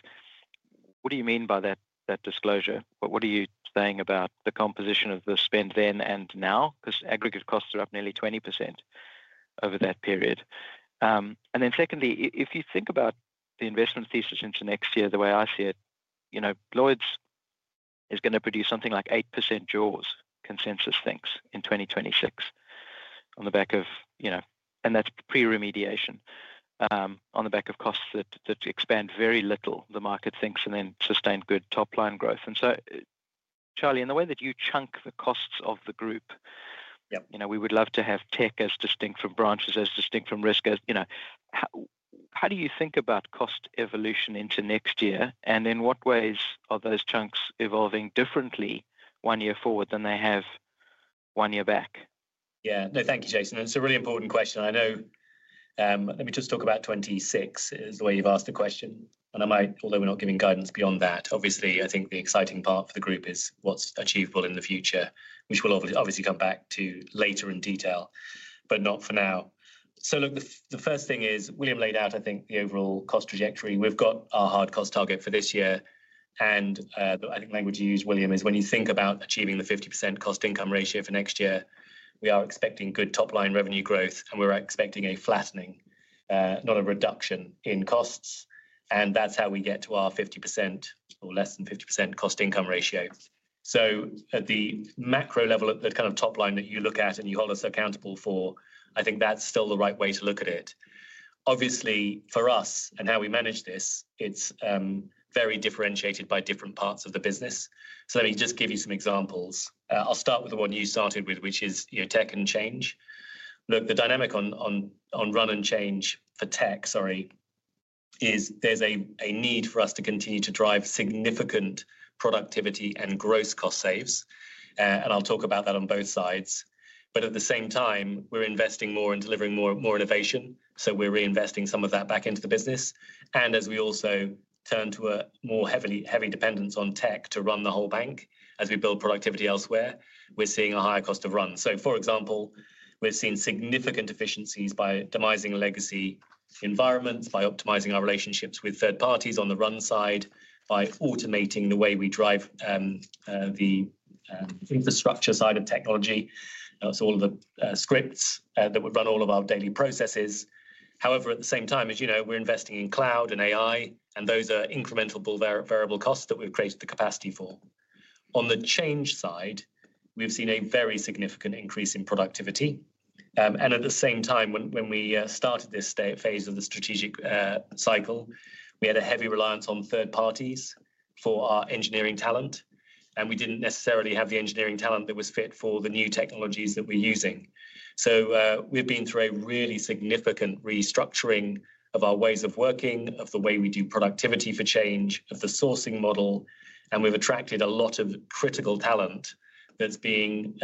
what do you mean by that disclosure? What are you saying about the composition of the spend then and now? Because aggregate costs are up nearly 20% over that period. Secondly, if you think about the investment thesis into next year, the way I see it, you know, Lloyds is going to produce something like 8% jaws consensus thinks in 2026 on the back of, you know, and that's pre remediation on the back of costs that expand very little the market thinks and then sustained good top line growth. Charlie, in the way that you chunk the costs of the group, you know, we would love to have tech as distinct from branches, as distinct from risk as, you know, how do you think about cost evolution into next year and in what ways are those chunks evolving differently one year forward than they have one year back? Yeah, no, thank you, Jason. It's a really important question. I know. Let me just talk about 2026 is the way you've asked the question and I might, although we're not giving guidance beyond that obviously. I think the exciting part for the group is what's achievable in the future, which we'll obviously come back to later in detail, but not for now. The first thing is William laid out, I think, the overall cost trajectory. We've got our hard cost target for this year and I think the language you used, William, is when you think about achieving the 50% cost-to-income ratio for next year, we are expecting good top line revenue growth and we're expecting a flattening, not a reduction, in costs. That's how we get to our 50% or less than 50% cost-to-income ratio. At the macro level, at the kind of top line that you look at and you hold us accountable for, I think that's still the right way to look at it. Obviously, for us and how we manage this, it's very differentiated by different parts of the business. Let me just give you some examples. I'll start with the one you started with, which is tech and change. The dynamic on run and change for tech, sorry, is there's a need for us to continue to drive significant productivity and gross cost saves, and I'll talk about that on both sides. At the same time, we're investing more and delivering more innovation, so we're reinvesting some of that back into the business. As we also turn to a more heavy dependence on tech to run the whole bank, as we build productivity elsewhere, we're seeing a higher cost of run. For example, we've seen significant efficiencies by demising legacy environments, by optimizing our relationships with third parties. On the run side, by automating the way we drive the infrastructure side of technology, it's all the scripts that would run all of our daily processes. However, at the same time, as you know, we're investing in cloud and AI and those are incremental variable costs that we've created the capacity for. On the change side, we've seen a very significant increase in productivity. At the same time, when we started this phase of the strategic cycle, we had a heavy reliance on third parties for our engineering talent. We didn't necessarily have the engineering talent that was fit for the new technologies that we're using. We've been through a really significant restructuring of our ways of working, of the way we do productivity for change, of the sourcing model. We've attracted a lot of critical talent that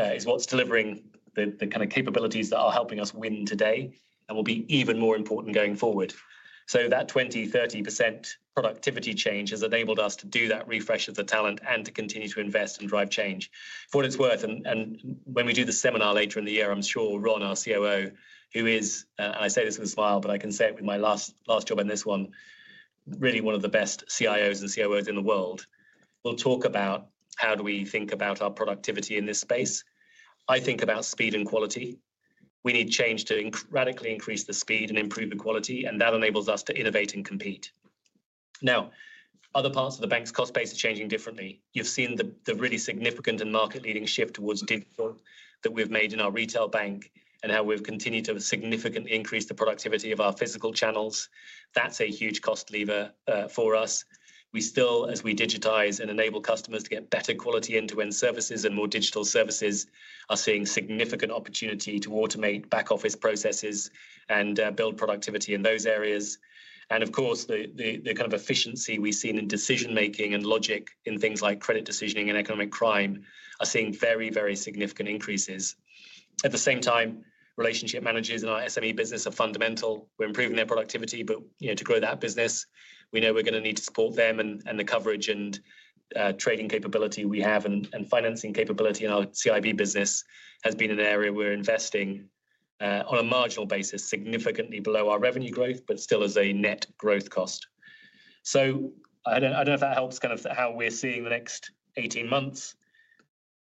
is what's delivering the kind of capabilities that are helping us win today and will be even more important going forward. That 20-30% productivity change has enabled us to do that refresh of the talent and to continue to invest and drive change for what it's worth. When we do the seminar later in the year, I'm sure Ron, our COO, who is, and I say this with a smile, but I can say it with my last job on this one, really one of the best CIOs and COOs in the world, will talk about how we think about our productivity in this space. I think about speed and quality. We need change to radically increase the speed and improve the quality and that enables us to innovate and compete. Other parts of the bank's cost base are changing differently. You've seen the really significant and market-leading shift towards digital that we've made in our retail bank and how we've continued to significantly increase the productivity of our physical channels. That's a huge cost lever for us. We still, as we digitize and enable customers to get better quality, end-to-end services and more digital services, are seeing significant opportunity to automate back office processes and build productivity in those areas. Of course, the kind of efficiency we've seen in decision making and logic, in things like credit decisioning and economic crime, are seeing very, very significant increases. At the same time, relationship managers in our SME business are fundamental. We're improving their productivity. To grow that business, we know we're going to need to support them. The coverage and trading capability we have and financing capability in our CIB business has been an area we're investing on a marginal basis significantly below our revenue growth, but still as a net growth cost. I don't know if that helps how we're seeing the next 18 months.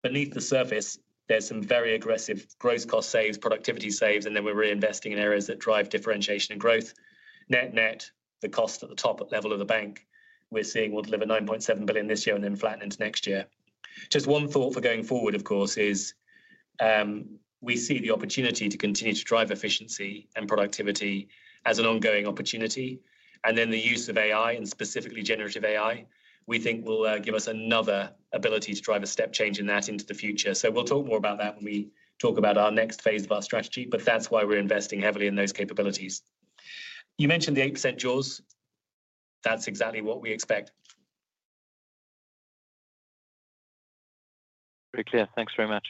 Beneath the surface there's some very aggressive gross cost saves, productivity saves, and then we're reinvesting in areas that drive differentiation and growth. Net net the cost at the top level of the bank we're seeing will deliver 9.7 billion this year and then flatten into next year. Just one thought for going forward of course is we see the opportunity to continue to drive efficiency and productivity as an ongoing opportunity. The use of AI, and specifically generative AI, we think will give us another ability to drive a step change in that into the future. We'll talk more about that when we talk about our next phase of our strategy. That's why we're investing heavily in those capabilities. You mentioned the 8% jaws. That's exactly what we expect. Pretty clear. Thanks very much.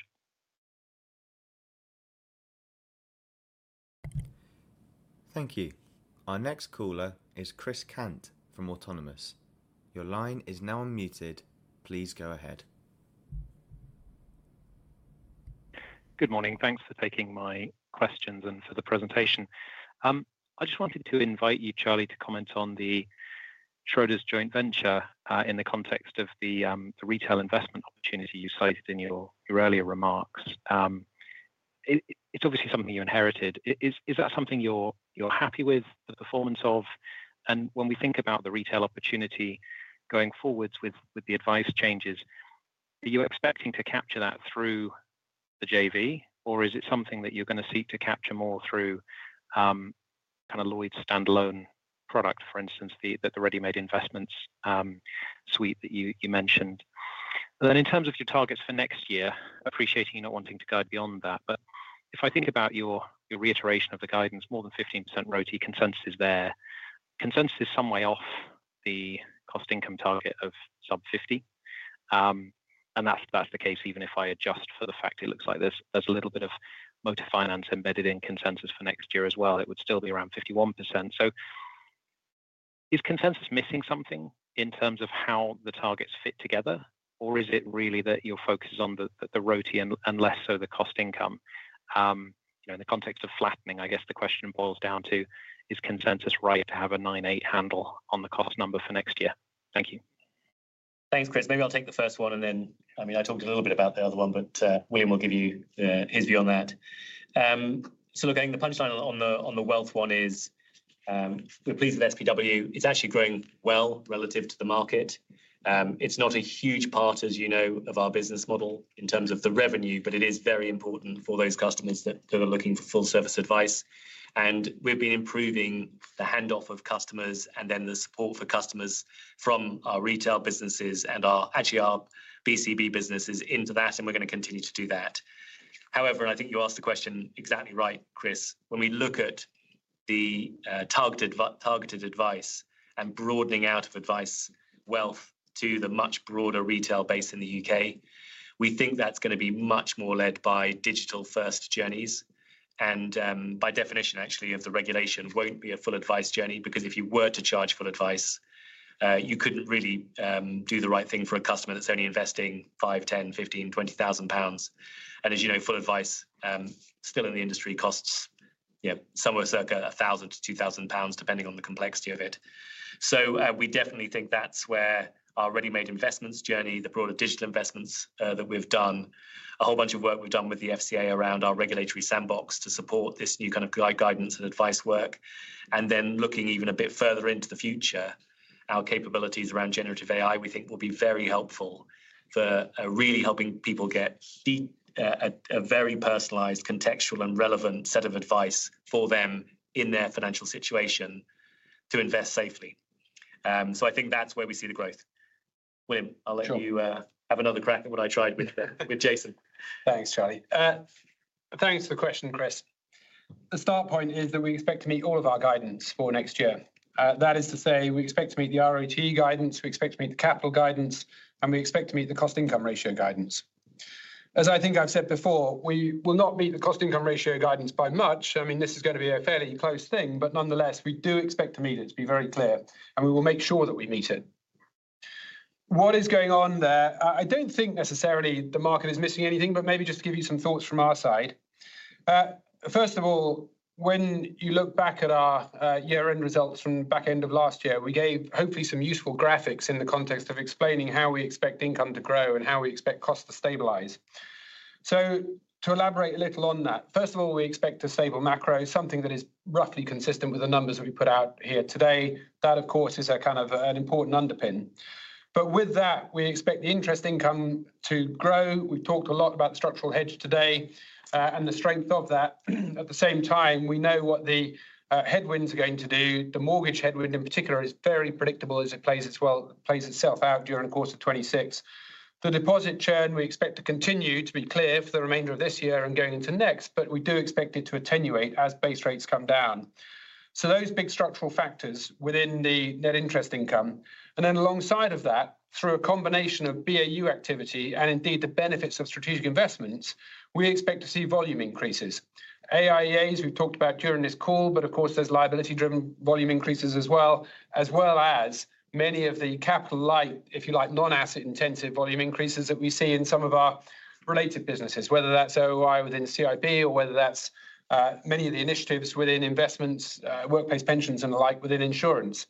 Thank you. Our next caller is Chris Kent from Autonomous. Your line is now unmuted. Please go ahead. Good morning. Thanks for taking my questions and for the presentation. I just wanted to invite you, Charlie, to comment on the Schroders joint venture in the context of the retail investment opportunity you cited in your earlier remarks. It's obviously something you inherited. Is that something you're happy with the performance of? When we think about the retail opportunity going forwards with the advice changes, are you expecting to capture that through the JV, or is it something that you're going to seek to capture more through kind of Lloyds standalone product, for instance, the Ready Made Investments suite that you mentioned? Then in terms of your targets for next year, appreciating you not wanting to guide beyond that, if I think about your reiteration of the guidance, more than 15% ROTE consensus, is there consensus is some way off the cost-income target of sub-50% and that's the case even if I adjust for the fact it looks like there's a little bit of motor finance embedded in consensus for next year as well, it would still be around 51%. Is consensus missing something in terms of how the targets fit together or is it really that your focus is on the ROTE and less so the cost-income in the context of flattening? I guess the question boils down to is consensus right to have a 9, 8 handle on the cost number for next year? Thank you. Thanks, Chris. Maybe I'll take the first one and then, I mean, I talked a little bit about the other one, but William will give you his view on that. Looking, the punchline on the wealth one is we're pleased with SPW. It's actually growing well relative to the market. It's not a huge part, as you know, of our business model in terms of the revenue, but it is very important for those customers that are looking for full service advice. We've been improving the handoff of customers and then the supply for customers from our retail businesses and actually our BCB businesses into that. We're going to continue to do that. However, and I think you asked the question exactly right, Chris. When we look at the targeted advice and broadening out of advice wealth to the much broader retail base in the U.K., we think that's going to be much more led by digital first journeys. By definition, actually, if the regulation won't be a full advice journey, because if you were to charge full advice, you couldn't really do the right thing for a customer that's only investing 5,000, 10,000, 15,000, 20,000 pounds. As you know, full advice still in the industry costs somewhere circa 1,000-2,000 pounds, depending on the complexity of it. We definitely think that's where our Ready Made Investments journey, the broader digital investments that we've done, a whole bunch of work we've done with the FCA around our regulatory sandbox to support this new kind of guidance and advice work. Looking even a bit further into the future, our capabilities around generative AI we think will be very helpful for really helping people get a very personalized, contextual, and relevant set of advice for them in their financial situation to invest safely. I think that's where we see the growth. William, I'll let you have another crack at what I tried with Jason. Thanks Charlie. Thanks for the question, Chris. The start point is that we expect to meet all of our guidance for next year. That is to say, we expect to meet the ROTE guidance, we expect to meet the capital guidance, and we expect to meet the cost-to-income ratio guidance. As I think I've said before, we will not meet the cost-to-income ratio guidance by much. I mean this is going to be a fairly close thing, but nonetheless we do expect to meet it, to be very clear, and we will make sure that we meet it. What is going on there? I do not think necessarily the market is missing anything, but maybe just to give you some thoughts from our side, first of all, when you look back at our year-end results from back end of last year, we gave hopefully some useful graphics in the context of explaining how we expect income to grow and how we expect cost to stabilize. To elaborate a little on that, first of all, we expect a stable macro, something that is roughly consistent with the numbers that we put out here today. That of course is an important underpin. With that, we expect the interest income to grow. We have talked a lot about the structural hedge today and the strength of that. At the same time, we know what the headwinds are going to do. The mortgage headwind in particular is very predictable as it plays itself out during the course of 2026, the deposit churn. We expect to continue to be clear for the remainder of this year and going into next, but we do expect it to attenuate as base rates come down. Those are big structural factors within the net interest income, and then alongside that, through a combination of BAU activity and indeed the benefits of strategic investments, we expect to see volume increases, AIEA as we have talked about during this call. Of course, there are liability-driven volume increases as well as many of the capital-light, if you like, non-asset-intensive volume increases that we see in some of our related businesses, whether that is OOI within CIB or whether that is many of the initiatives within investments, workplace pensions, and the like within insurance.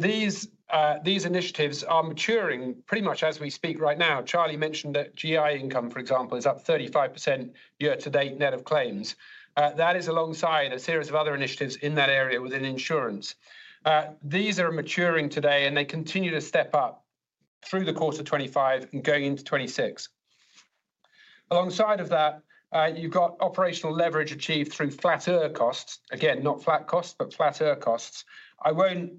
These initiatives are maturing pretty much as we speak right now. Charlie mentioned that GI income, for example, is up 35% year to date net of claims. That is alongside a series of other initiatives in that area within insurance. These are maturing today and they continue to step up through the course of 2025 and going into 2026. Alongside that, you have got operational leverage achieved through flatter costs. Again, not flat costs, but flatter costs. I won't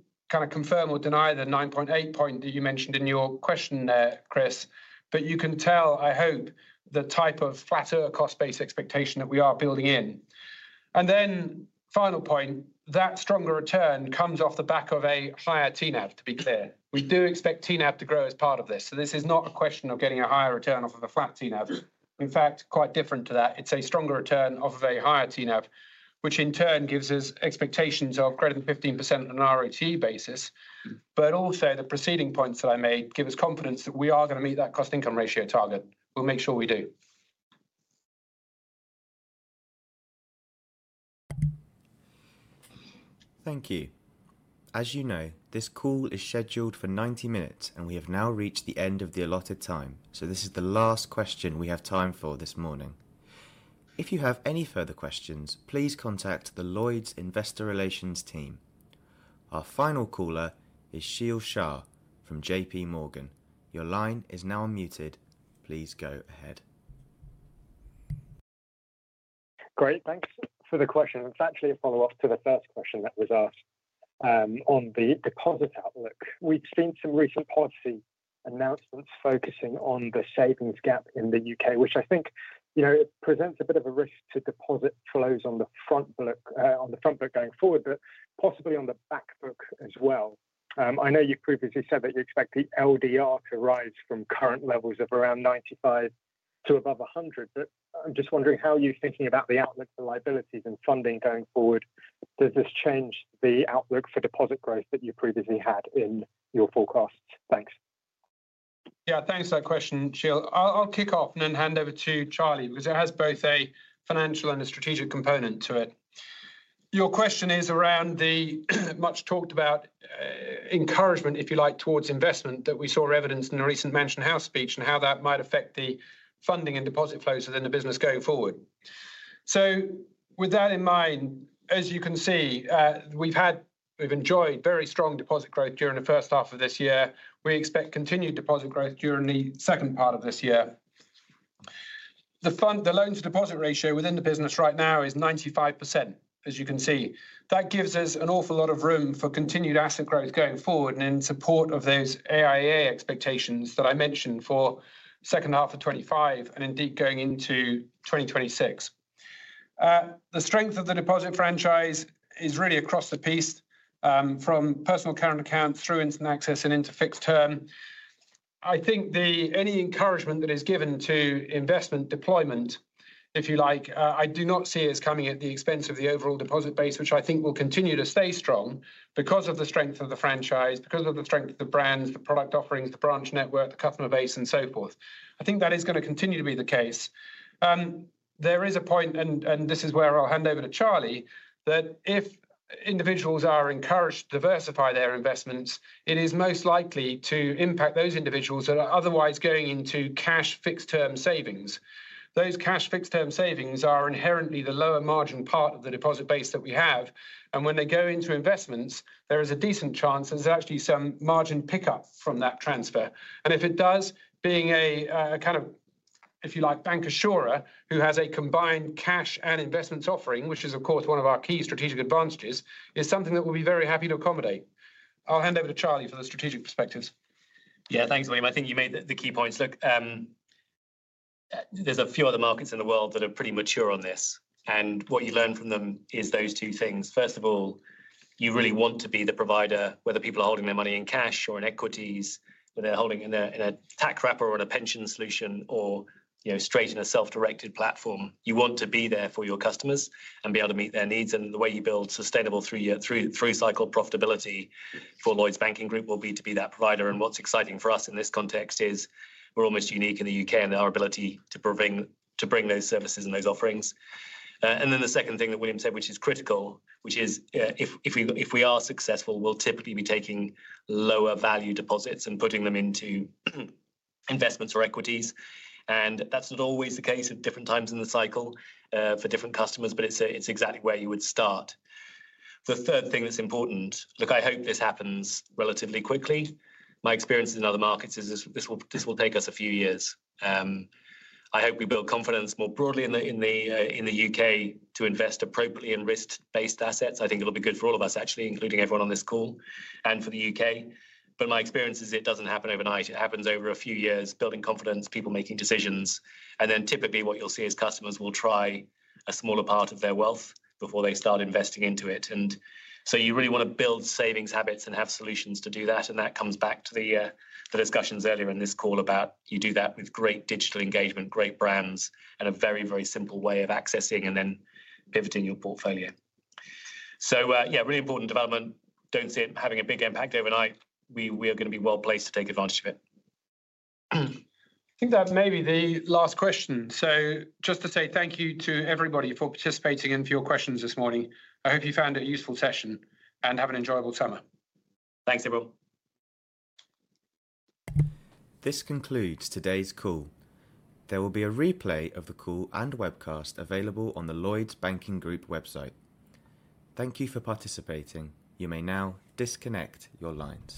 confirm or deny the 9.8 point that you mentioned in your question there, Chris, but you can tell, I hope, the type of flatter cost base expectation that we are building in. The final point, that stronger return comes off the back of a higher TNAV. To be clear, we do expect TNAV to grow as part of this. This is not a question of getting a higher return off of a flat TNAV. In fact, quite different to that, it is a stronger return off a higher TNAV, which in turn gives us expectations of greater than 15% on an ROTE basis. The preceding points that I made give us confidence that we are going to meet that cost-to-income ratio target. We'll make sure we do. Thank you. As you know, this call is scheduled for 90 minutes and we have now reached the end of the allotted time. This is the last question we have time for this morning. If you have any further questions, please contact the Lloyds Investor Relations team. Our final caller is Sheel Shah from JP Morgan. Your line is now unmuted. Please go ahead. Great. Thanks for the question. It's actually a follow-up to the first question that was asked on the deposit outlook. We've seen some recent policy announcements focusing on the savings gap in the U.K., which I think, you know, it presents a bit of a risk to deposit flows on the front book. On the front book going forward, but possibly on the back book as well. I know you previously said that you expect the LDR to rise from current levels of around 95 to above 100, but I'm just wondering, how are you thinking about the outlook for liabilities and funding going forward? Does this change the outlook for deposit growth that you previously had in your forecasts? Thanks. Yeah, thanks for that question, Sheel. I'll kick off and then hand over to Charlie, because it has both a financial and a strategic component to it. Your question is around the much talked about encouragement, if you like, towards investment that we saw evidence in the recent Mansion House speech and how that might affect the funding and deposit flows within the business going forward. With that in mind, as you can see, we've enjoyed very strong deposit growth during the first half of this year. We expect continued deposit growth during the second part of this year. The loan-to-deposit ratio within the business right now is 95%. As you can see, that gives us an awful lot of room for continued asset growth going forward. In support of those AIEA expectations that I mentioned for the second half of 2025 and indeed going into 2026, the strength of the deposit franchise is really across the piece from personal current account through instant access and into fixed term. I think any encouragement that is given to investment deployment, if you like, I do not see as coming at the expense of the overall deposit base, which I think will continue to stay strong because of the strength of the franchise, because of the strength of the brands, the product offerings, the branch network, the customer base and so forth. I think that is going to continue to be the case. There is a point, and this is where I'll hand over to Charlie, that if individuals are encouraged to diversify their investments, it is most likely to impact those individuals that are otherwise going into cash fixed term savings. Those cash fixed term savings are inherently the lower margin part of the deposit base that we have. When they go into investments there is a decent chance there's actually some margin pickup from that transfer. If it does, being a kind of, if you like, bank assurer who has a combined cash and investments offering, which is of course one of our key strategic advantages, is something that we'll be very happy to accommodate. I'll hand over to Charlie for the strategic perspectives. Yeah, thanks William. I think you made the key points. There are a few other markets in the world that are pretty mature on this and what you learn from them is those two things. First of all, you really want to be the provider. Whether people are holding their money in cash or in equities, when they're holding in a tax wrapper or a pension solution, or straight in a self-directed platform, you want to be there for your customers and be able to meet their needs. The way you build sustainable through-cycle profitability for Lloyds Banking Group will be to be that provider. What's exciting for us in this context is we're almost unique in the U.K. in our ability to bring those services and those offerings. The second thing that William said, which is critical, is if we are successful, we'll typically be taking lower value deposits and putting them into investments or equities. That's not always the case at different times in the cycle for different customers, but it's exactly where you would start. The third thing that's important, look, I hope this happens relatively quickly. My experience in other markets is this will take us a few years. I hope we build confidence more broadly in the U.K. to invest appropriately in risk-based assets. I think it'll be good for all of us actually, including everyone on this call and for the U.K. My experience is it doesn't happen overnight, it happens over a few years, building confidence, people making decisions and then typically what you'll see is customers will try a smaller part of their wealth before they start investing into it. You really want to build savings habits and have solutions to do that. That comes back to the discussions earlier in this call about you do that with great digital engagement, great brands and a very, very simple way of accessing and then pivoting your portfolio. Yeah, really important development. I don't see it having a big impact overnight. We are going to be well placed to take advantage of it. I think that may be the last question. Just to say thank you to everybody for participating and for your questions this morning. I hope you found it a useful session and have an enjoyable summer. Thanks everyone. This concludes today's call. There will be a replay of the call and webcast available on the Lloyds Banking Group website. Thank you for participating. You may now disconnect your lines.